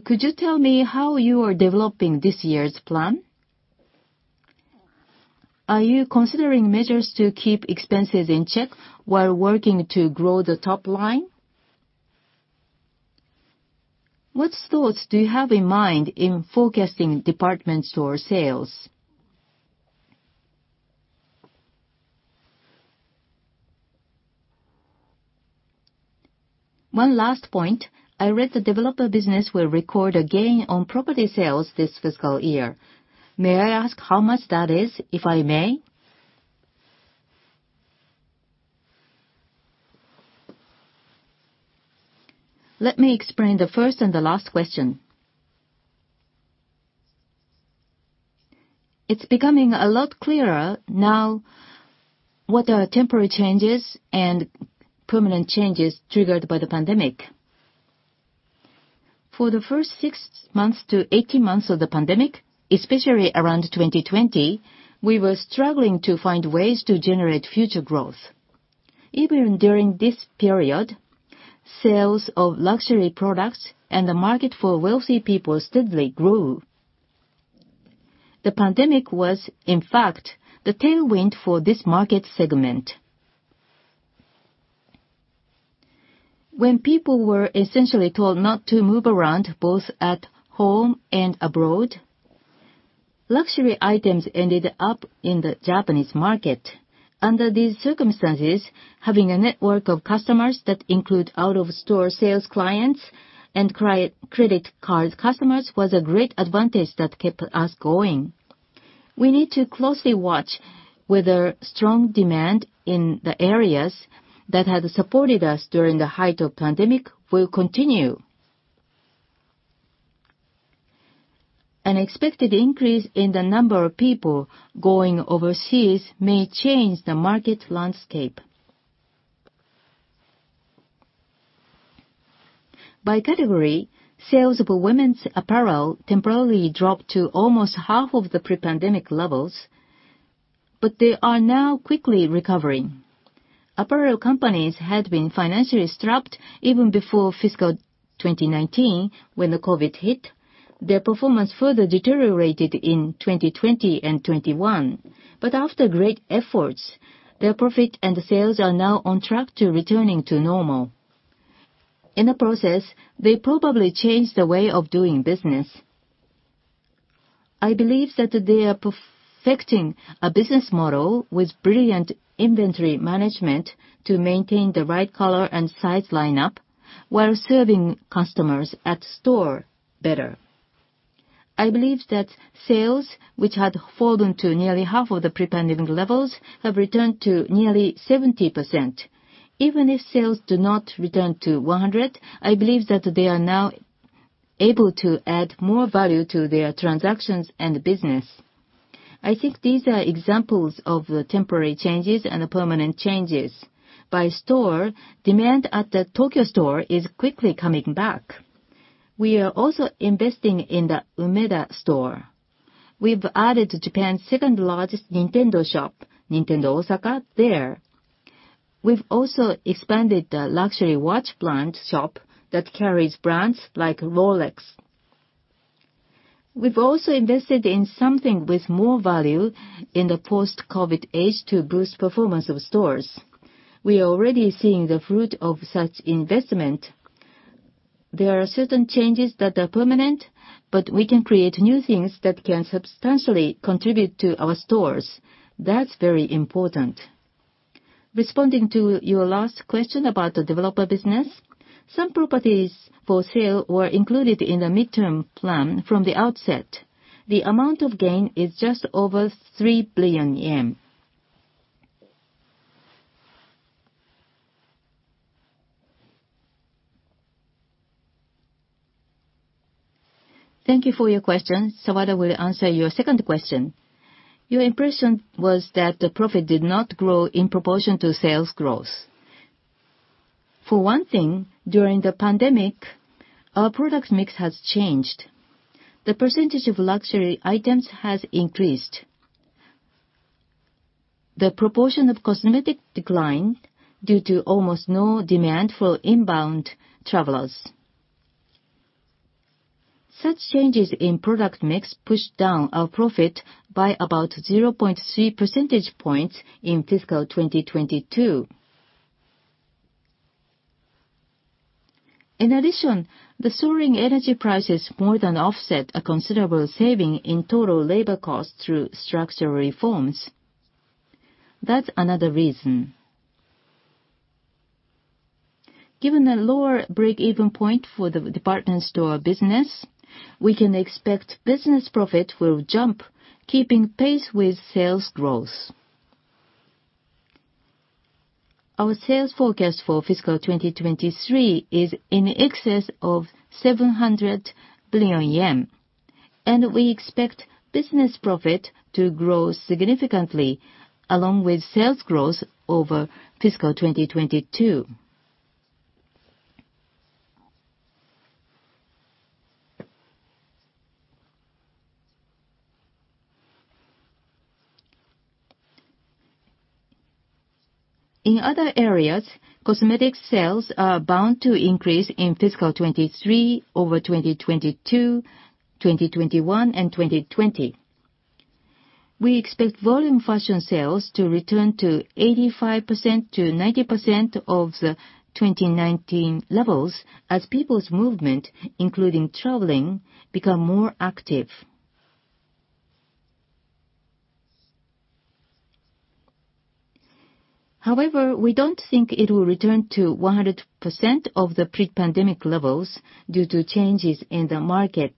Speaker 5: Could you tell me how you are developing this year's plan? Are you considering measures to keep expenses in check while working to grow the top line? What thoughts do you have in mind in forecasting department store sales? One last point, I read the developer business will record a gain on property sales this fiscal year. May I ask how much that is, if I may?
Speaker 1: Let me explain the first and the last question. It's becoming a lot clearer now what are temporary changes and permanent changes triggered by the pandemic. For the first six months to 18 months of the pandemic, especially around 2020, we were struggling to find ways to generate future growth. Even during this period, sales of luxury products and the market for wealthy people steadily grew. The pandemic was, in fact, the tailwind for this market segment. When people were essentially told not to move around both at home and abroad, luxury items ended up in the Japanese market. Under these circumstances, having a network of customers that include out-of-store sales clients and credit card customers was a great advantage that kept us going. We need to closely watch whether strong demand in the areas that have supported us during the height of pandemic will continue. An expected increase in the number of people going overseas may change the market landscape. By category, sales of women's apparel temporarily dropped to almost half of the pre-pandemic levels, they are now quickly recovering. Apparel companies had been financially strapped even before fiscal 2019 when the COVID hit. Their performance further deteriorated in 2020 and 2021. After great efforts, their profit and sales are now on track to returning to normal. In the process, they probably changed the way of doing business. I believe that they are perfecting a business model with brilliant inventory management to maintain the right color and size lineup while serving customers at store better. I believe that sales, which had fallen to nearly half of the pre-pandemic levels, have returned to nearly 70%. Even if sales do not return to 100, I believe that they are now able to add more value to their transactions and business. I think these are examples of the temporary changes and the permanent changes. By store, demand at the Tokyo store is quickly coming back. We are also investing in the Umeda store. We've added Japan's second-largest Nintendo shop, Nintendo OSAKA, there. We've also expanded the luxury watch brand shop that carries brands like Rolex. We've also invested in something with more value in the post-COVID age to boost performance of stores. We are already seeing the fruit of such investment. There are certain changes that are permanent, but we can create new things that can substantially contribute to our stores. That's very important. Responding to your last question about the developer business, some properties for sale were included in the midterm plan from the outset. The amount of gain is just over 3 billion yen. Thank you for your question. Sawada will answer your second question. Your impression was that the profit did not grow in proportion to sales growth. For one thing, during the pandemic, our product mix has changed. The percentage of luxury items has increased. The proportion of cosmetic declined due to almost no demand for inbound travelers. Such changes in product mix pushed down our profit by about 0.3 percentage points in fiscal 2022. In addition, the soaring energy prices more than offset a considerable saving in total labor costs through structural reforms. That's another reason. Given the lower break-even point for the department store business, we can expect business profit will jump, keeping pace with sales growth. Our sales forecast for fiscal 2023 is in excess of 700 billion yen, and we expect business profit to grow significantly along with sales growth over fiscal 2022. In other areas, cosmetic sales are bound to increase in fiscal 2023 over 2022, 2021, and 2020. We expect volume fashion sales to return to 85%-90% of the 2019 levels as people's movement, including traveling, become more active. However, we don't think it will return to 100% of the pre-pandemic levels due to changes in the market.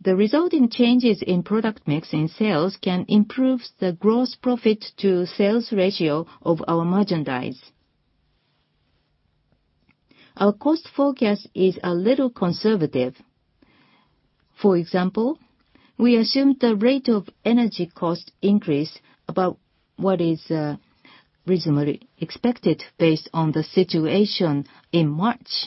Speaker 1: The resulting changes in product mix and sales can improve the gross profit to sales ratio of our merchandise. Our cost forecast is a little conservative. For example, we assume the rate of energy cost increase about what is reasonably expected based on the situation in March.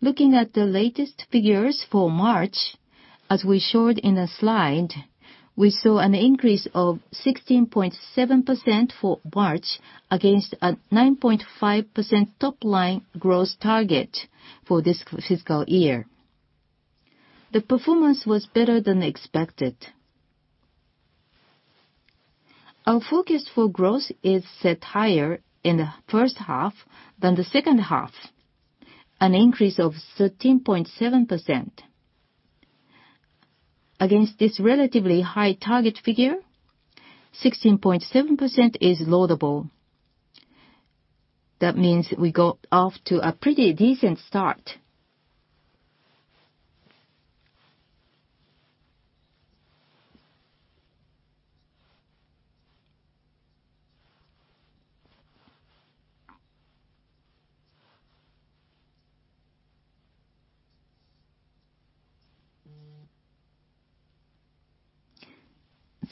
Speaker 1: Looking at the latest figures for March, as we showed in the slide, we saw an increase of 16.7% for March against a 9.5% top-line gross target for this fiscal year. The performance was better than expected. Our focus for growth is set higher in the first half than the second half, an increase of 13.7%. Against this relatively high target figure, 16.7% is laudable. That means we got off to a pretty decent start.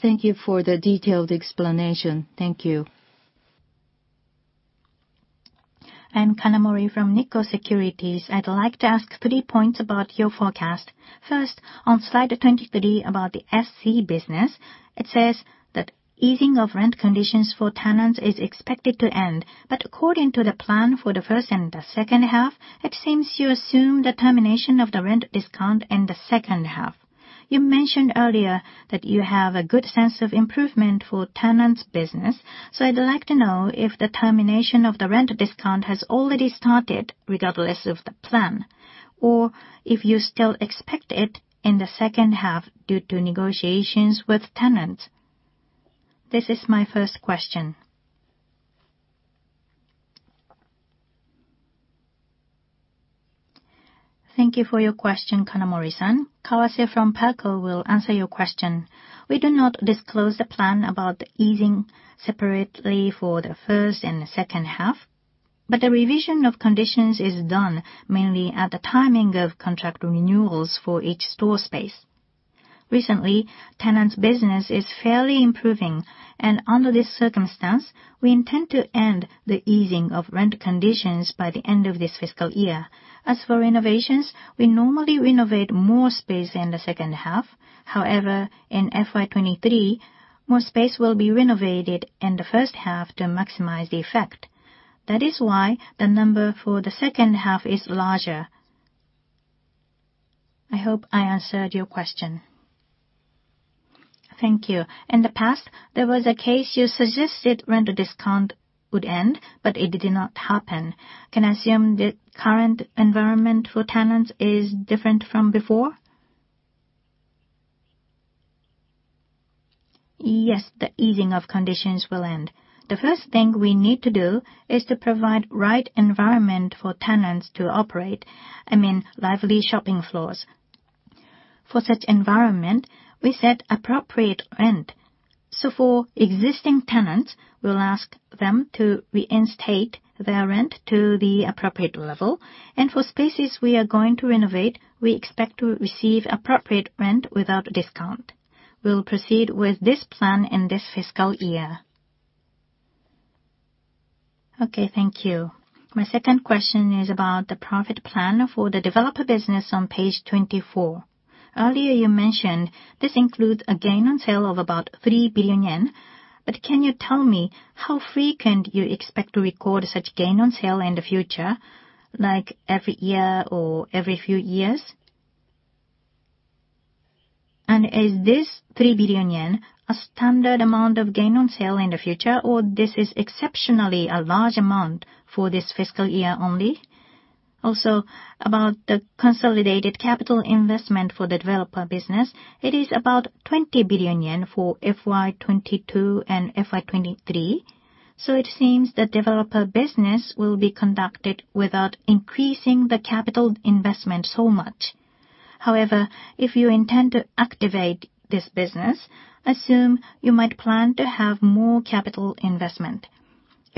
Speaker 5: Thank you for the detailed explanation. Thank you.
Speaker 6: I'm Kanamori from Nikko Securities. I'd like to ask three points about your forecast. First, on slide 23 about the SC Business. It says that easing of rent conditions for tenants is expected to end. According to the plan for the first and second half, it seems you assume the termination of the rent discount in the second half. You mentioned earlier that you have a good sense of improvement for tenants' business. I'd like to know if the termination of the rent discount has already started regardless of the plan, or if you still expect it in the second half due to negotiations with tenants. This is my first question.
Speaker 4: Thank you for your question, Kanamori-san. Kawase from PARCO will answer your question. We do not disclose the plan about the easing separately for the first and the second half. The revision of conditions is done mainly at the timing of contract renewals for each store space. Recently, tenants' business is fairly improving. Under this circumstance, we intend to end the easing of rent conditions by the end of this fiscal year. As for renovations, we normally renovate more space in the second half. However, in FY 2023, more space will be renovated in the first half to maximize the effect. That is why the number for the second half is larger. I hope I answered your question.
Speaker 6: Thank you. In the past, there was a case you suggested rent discount would end, but it did not happen. Can I assume the current environment for tenants is different from before?
Speaker 4: Yes, the easing of conditions will end. The first thing we need to do is to provide right environment for tenants to operate. I mean, lively shopping floors. For such environment, we set appropriate rent. For existing tenants, we'll ask them to reinstate their rent to the appropriate level. For spaces we are going to renovate, we expect to receive appropriate rent without discount. We'll proceed with this plan in this fiscal year.
Speaker 6: Okay, thank you. My second question is about the profit plan for the developer business on page 24. Earlier, you mentioned this includes a gain on sale of about 3 billion yen. Can you tell me how frequent you expect to record such gain on sale in the future? Like every year or every few years? Is this 3 billion yen a standard amount of gain on sale in the future? Or this is exceptionally a large amount for this fiscal year only? About the consolidated capital investment for the developer business, it is about 20 billion yen for FY 2022 and FY 2023. It seems the developer business will be conducted without increasing the capital investment so much. If you intend to activate this business, assume you might plan to have more capital investment.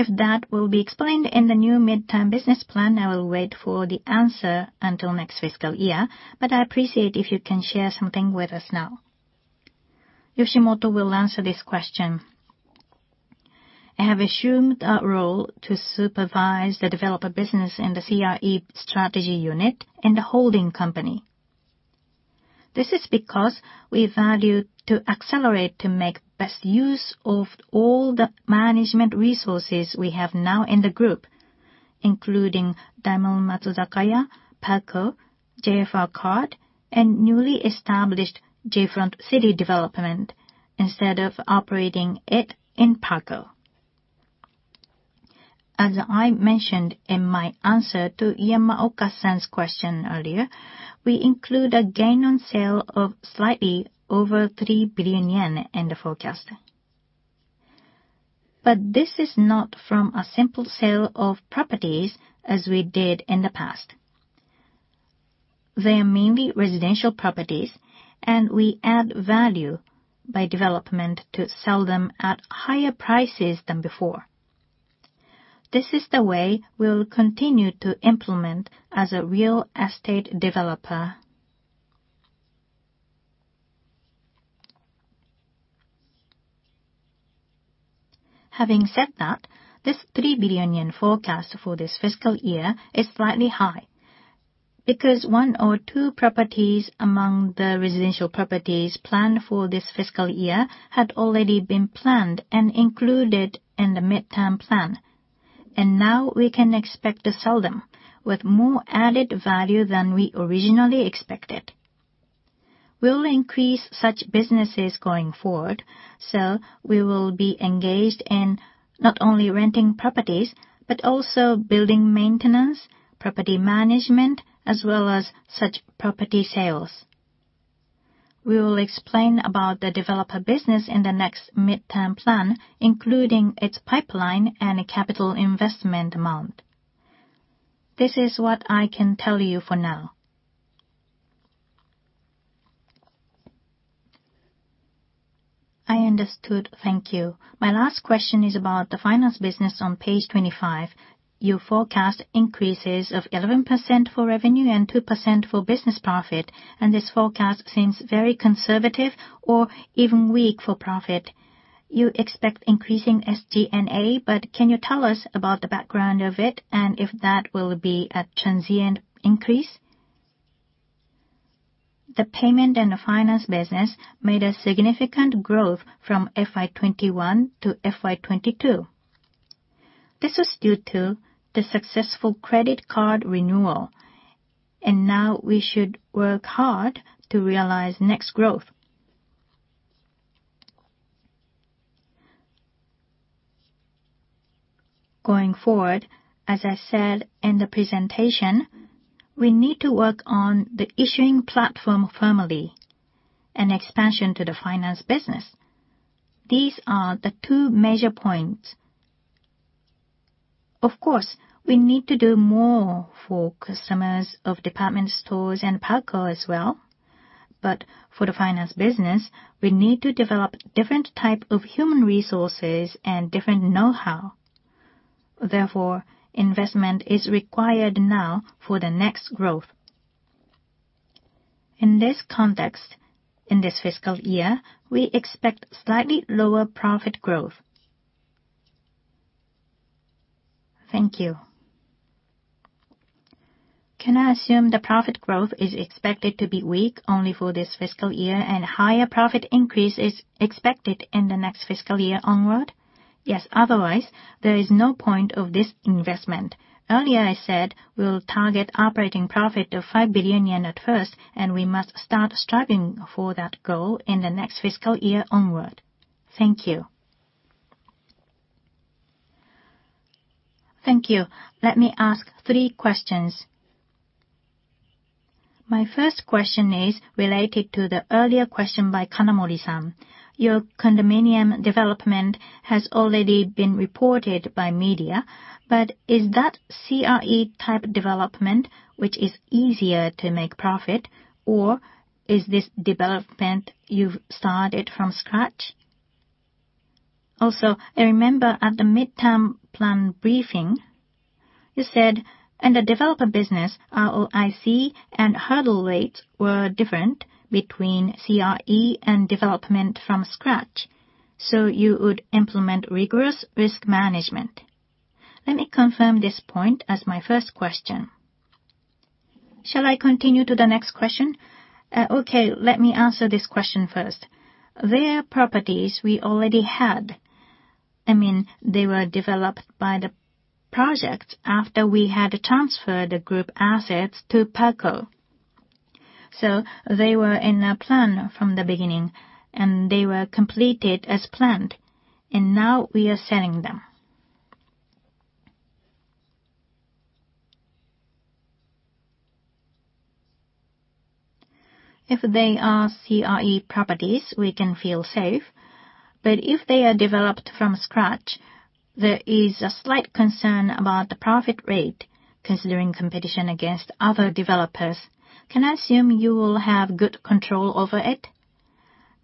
Speaker 6: If that will be explained in the new midterm business plan, I will wait for the answer until next fiscal year, but I appreciate if you can share something with us now. Yoshimoto will answer this question. I have assumed a role to supervise the developer business in the CRE Strategy Unit in the holding company. This is because we value to accelerate to make best use of all the management resources we have now in the group, including Daimaru Matsuzakaya, PARCO, JFR Card, and newly established J. Front City Development, instead of operating it in PARCO.
Speaker 1: As I mentioned in my answer to Yamaoka-san's question earlier, we include a gain on sale of slightly over 3 billion yen in the forecast. This is not from a simple sale of properties as we did in the past. They are mainly residential properties. We add value by development to sell them at higher prices than before. This is the way we'll continue to implement as a real estate developer. Having said that, this 3 billion yen forecast for this fiscal year is slightly high because one or two properties among the residential properties planned for this fiscal year had already been planned and included in the midterm plan. Now we can expect to sell them with more added value than we originally expected. We'll increase such businesses going forward, so we will be engaged in not only renting properties, but also building maintenance, property management, as well as such property sales. We will explain about the developer business in the next midterm plan, including its pipeline and capital investment amount. This is what I can tell you for now.
Speaker 6: I understood. Thank you. My last question is about the finance business on page 25. You forecast increases of 11% for revenue and 2% for business profit. This forecast seems very conservative or even weak for profit. You expect increasing SG&A. Can you tell us about the background of it and if that will be a transient increase?
Speaker 1: The payment and the finance business made a significant growth from FY 2021 to FY 2022. This was due to the successful credit card renewal. Now we should work hard to realize next growth. Going forward, as I said in the presentation, we need to work on the issuing platform firmly and expansion to the finance business. These are the two major points. Of course, we need to do more for customers of department stores and PARCO as well. For the finance business, we need to develop different type of human resources and different know-how. Investment is required now for the next growth. In this context, in this fiscal year, we expect slightly lower profit growth.
Speaker 6: Thank you. Can I assume the profit growth is expected to be weak only for this fiscal year and higher profit increase is expected in the next fiscal year onward?
Speaker 1: Yes. Otherwise, there is no point of this investment. Earlier, I said we'll target operating profit of 5 billion yen at first, we must start striving for that goal in the next fiscal year onward. Thank you.
Speaker 6: Thank you. Let me ask three questions. My first question is related to the earlier question by Kanamori-san. Your condominium development has already been reported by media, is that CRE type development which is easier to make profit, or is this development you've started from scratch?
Speaker 1: I remember at the midterm plan briefing, you said in the developer business, ROIC and hurdle rates were different between CRE and development from scratch, so you would implement rigorous risk management. Let me confirm this point as my first question.
Speaker 6: Shall I continue to the next question?
Speaker 1: Okay, let me answer this question first. They are properties we already had. I mean, they were developed by the projects after we had transferred the group assets to PARCO. They were in our plan from the beginning, and they were completed as planned, and now we are selling them. If they are CRE properties, we can feel safe. If they are developed from scratch, there is a slight concern about the profit rate considering competition against other developers. Can I assume you will have good control over it?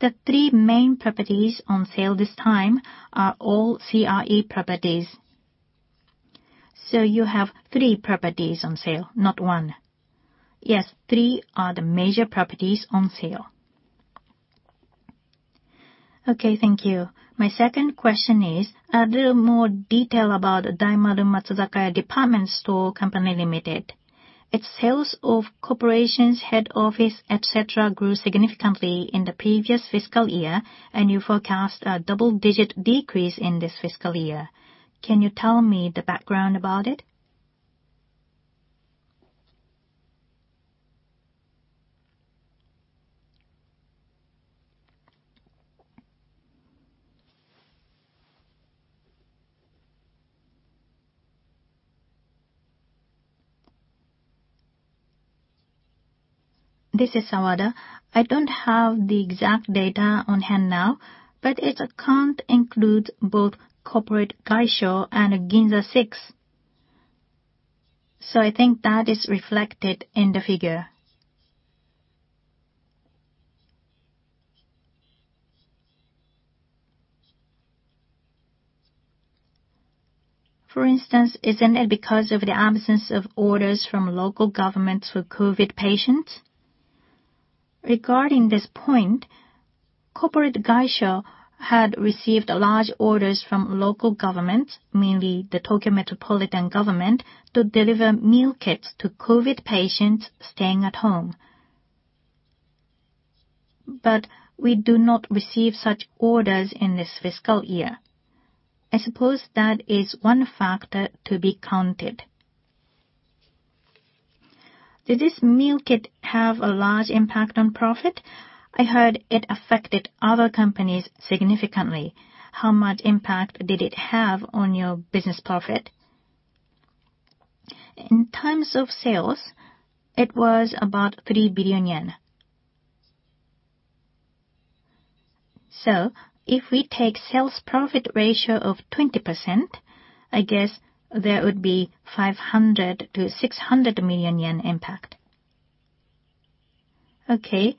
Speaker 1: The three main properties on sale this time are all CRE properties. You have three properties on sale, not one? Yes. Three are the major properties on sale.
Speaker 6: Okay, thank you. My second question is a little more detail about Daimaru Matsuzakaya Department Stores Co., Ltd.. Its sales of corporations, head office, et cetera, grew significantly in the previous fiscal year, and you forecast a double-digit decrease in this fiscal year. Can you tell me the background about it?
Speaker 2: This is Sawada. I don't have the exact data on hand now, but its account includes both corporate gaisho and GINZA SIX. I think that is reflected in the figure. For instance, isn't it because of the absence of orders from local governments for COVID patients? Regarding this point, corporate gaisho had received large orders from local governments, mainly the Tokyo Metropolitan Government, to deliver meal kits to COVID patients staying at home. We do not receive such orders in this fiscal year. I suppose that is one factor to be counted. Did this meal kit have a large impact on profit? I heard it affected other companies significantly. How much impact did it have on your business profit? In terms of sales, it was about 3 billion yen. If we take sales profit ratio of 20%, I guess there would be 500 million-600 million yen impact. Okay.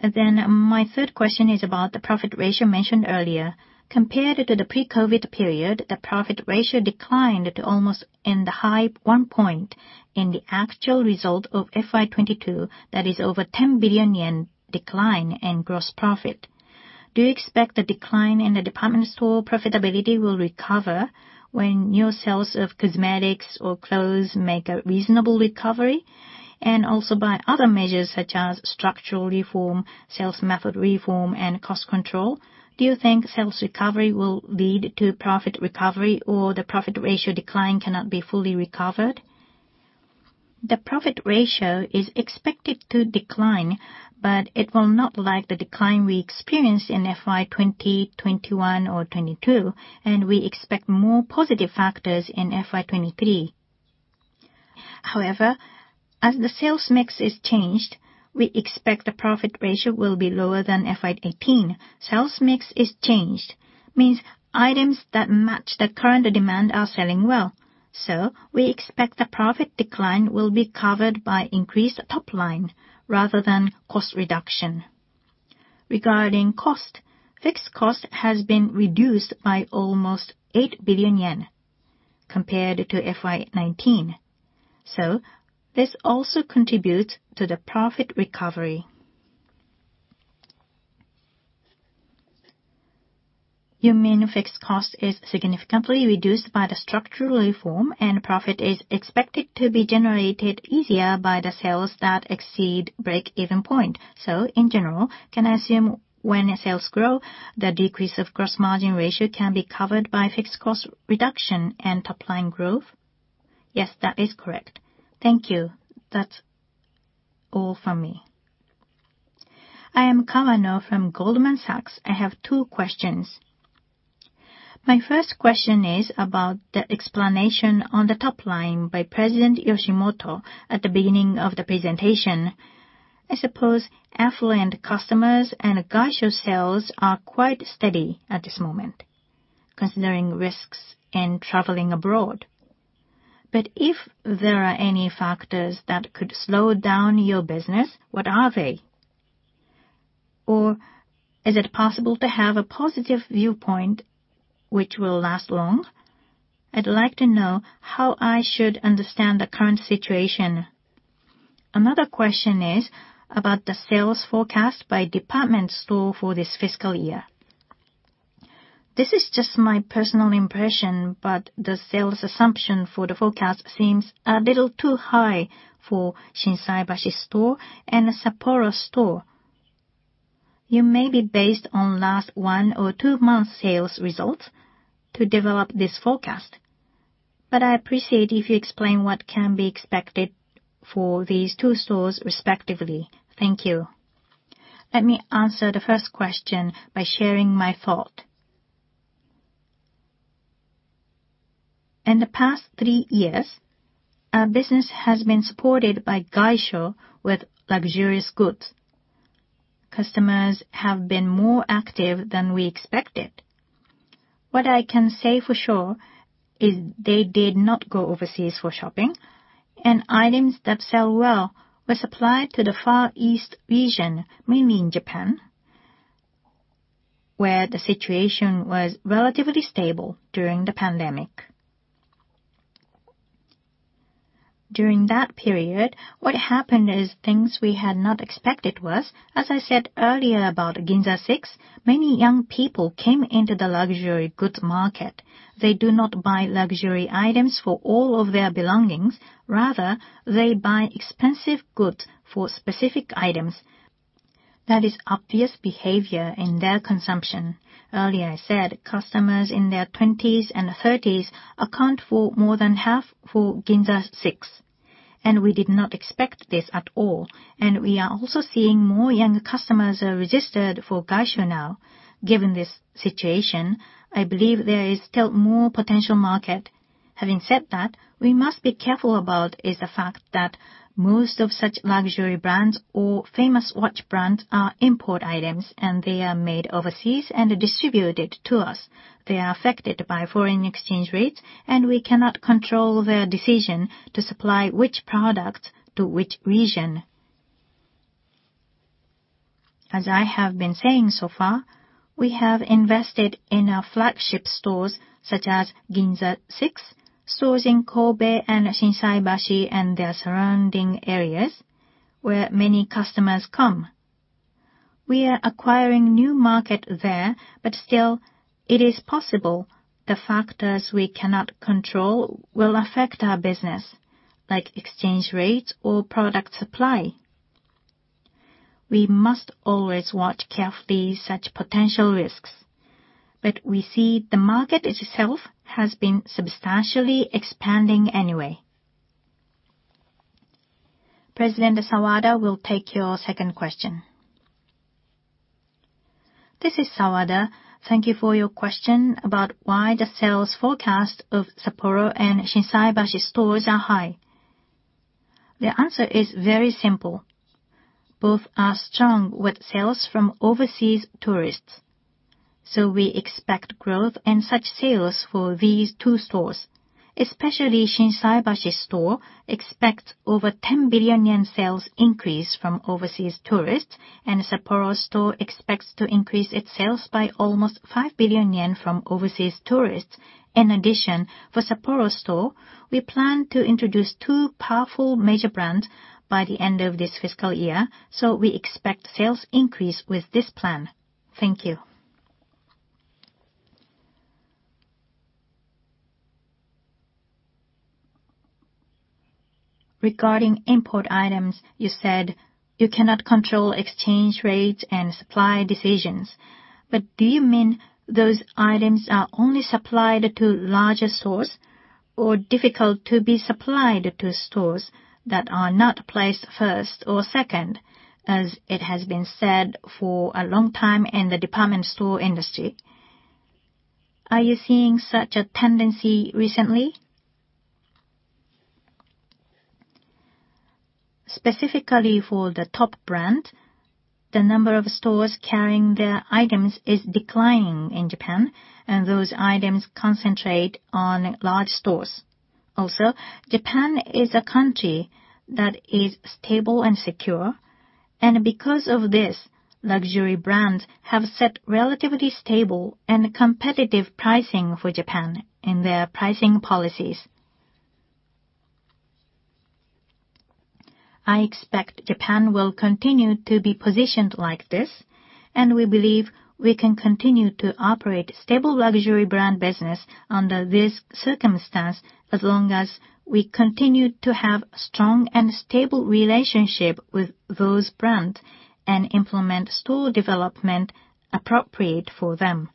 Speaker 2: My third question is about the profit ratio mentioned earlier. Compared to the pre-COVID period, the profit ratio declined to almost in the high one point in the actual result of FY 2022, that is over 10 billion yen decline in gross profit. Do you expect the decline in the department store profitability will recover when your sales of cosmetics or clothes make a reasonable recovery? By other measures such as structural reform, sales method reform, and cost control, do you think sales recovery will lead to profit recovery, or the profit ratio decline cannot be fully recovered? The profit ratio is expected to decline, but it will not like the decline we experienced in FY 2020, 2021, or 2022, and we expect more positive factors in FY 2023. As the sales mix is changed, we expect the profit ratio will be lower than FY 2018. Sales mix is changed, means items that match the current demand are selling well. We expect the profit decline will be covered by increased top line rather than cost reduction. Regarding cost, fixed cost has been reduced by almost 8 billion yen compared to FY 2019. This also contributes to the profit recovery. You mean fixed cost is significantly reduced by the structural reform and profit is expected to be generated easier by the sales that exceed break-even point. In general, can I assume when sales grow, the decrease of gross margin ratio can be covered by fixed cost reduction and top line growth? Yes, that is correct. Thank you. That's all from me. I am Kawano from Goldman Sachs. I have two questions. My first question is about the explanation on the top line by President Yoshimoto at the beginning of the presentation. I suppose affluent customers and Gaisho sales are quite steady at this moment, considering risks in traveling abroad. If there are any factors that could slow down your business, what are they? Is it possible to have a positive viewpoint which will last long? I'd like to know how I should understand the current situation. Another question is about the sales forecast by department store for this fiscal year. This is just my personal impression, but the sales assumption for the forecast seems a little too high for Shinsaibashi store and Sapporo store. You may be based on last one or two month sales results to develop this forecast. I appreciate if you explain what can be expected for these two stores respectively. Thank you. Let me answer the first question by sharing my thought. In the past three years, our business has been supported by Gaisho with luxurious goods. Customers have been more active than we expected. What I can say for sure is they did not go overseas for shopping, and items that sell well were supplied to the Far East region, mainly in Japan, where the situation was relatively stable during the pandemic. During that period, what happened is things we had not expected was, as I said earlier about GINZA SIX, many young people came into the luxury goods market. They do not buy luxury items for all of their belongings. Rather, they buy expensive goods for specific items. That is obvious behavior in their consumption. Earlier I said, customers in their twenties and thirties account for more than half for GINZA SIX, and we did not expect this at all. We are also seeing more younger customers are registered for Gaisho now. Given this situation, I believe there is still more potential market. Having said that, we must be careful about is the fact that most of such luxury brands or famous watch brands are import items, and they are made overseas and distributed to us. They are affected by foreign exchange rates, and we cannot control their decision to supply which products to which region. As I have been saying so far, we have invested in our flagship stores, such as GINZA SIX, stores in Kobe and Shinsaibashi and their surrounding areas where many customers come. We are acquiring new market there, but still it is possible the factors we cannot control will affect our business, like exchange rates or product supply. We must always watch carefully such potential risks, but we see the market itself has been substantially expanding anyway. President Sawada will take your second question. This is Sawada. Thank you for your question about why the sales forecast of Sapporo and Shinsaibashi stores are high. The answer is very simple. Both are strong with sales from overseas tourists, so we expect growth and such sales for these two stores. Especially Shinsaibashi store expects over 10 billion yen sales increase from overseas tourists, and Sapporo store expects to increase its sales by almost 5 billion yen from overseas tourists. In addition, for Sapporo store, we plan to introduce two powerful major brands by the end of this fiscal year, so we expect sales increase with this plan. Thank you. Regarding import items, you said you cannot control exchange rates and supply decisions. Do you mean those items are only supplied to larger stores or difficult to be supplied to stores that are not placed first or second, as it has been said for a long time in the department store industry? Are you seeing such a tendency recently? Specifically for the top brand, the number of stores carrying their items is declining in Japan, those items concentrate on large stores. Japan is a country that is stable and secure, and because of this, luxury brands have set relatively stable and competitive pricing for Japan in their pricing policies. I expect Japan will continue to be positioned like this, we believe we can continue to operate stable luxury brand business under this circumstance as long as we continue to have strong and stable relationship with those brands and implement store development appropriate for them.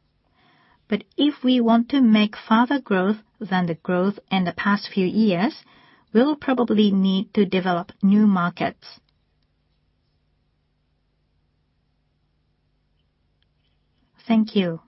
Speaker 2: If we want to make further growth than the growth in the past few years, we'll probably need to develop new markets. Thank you.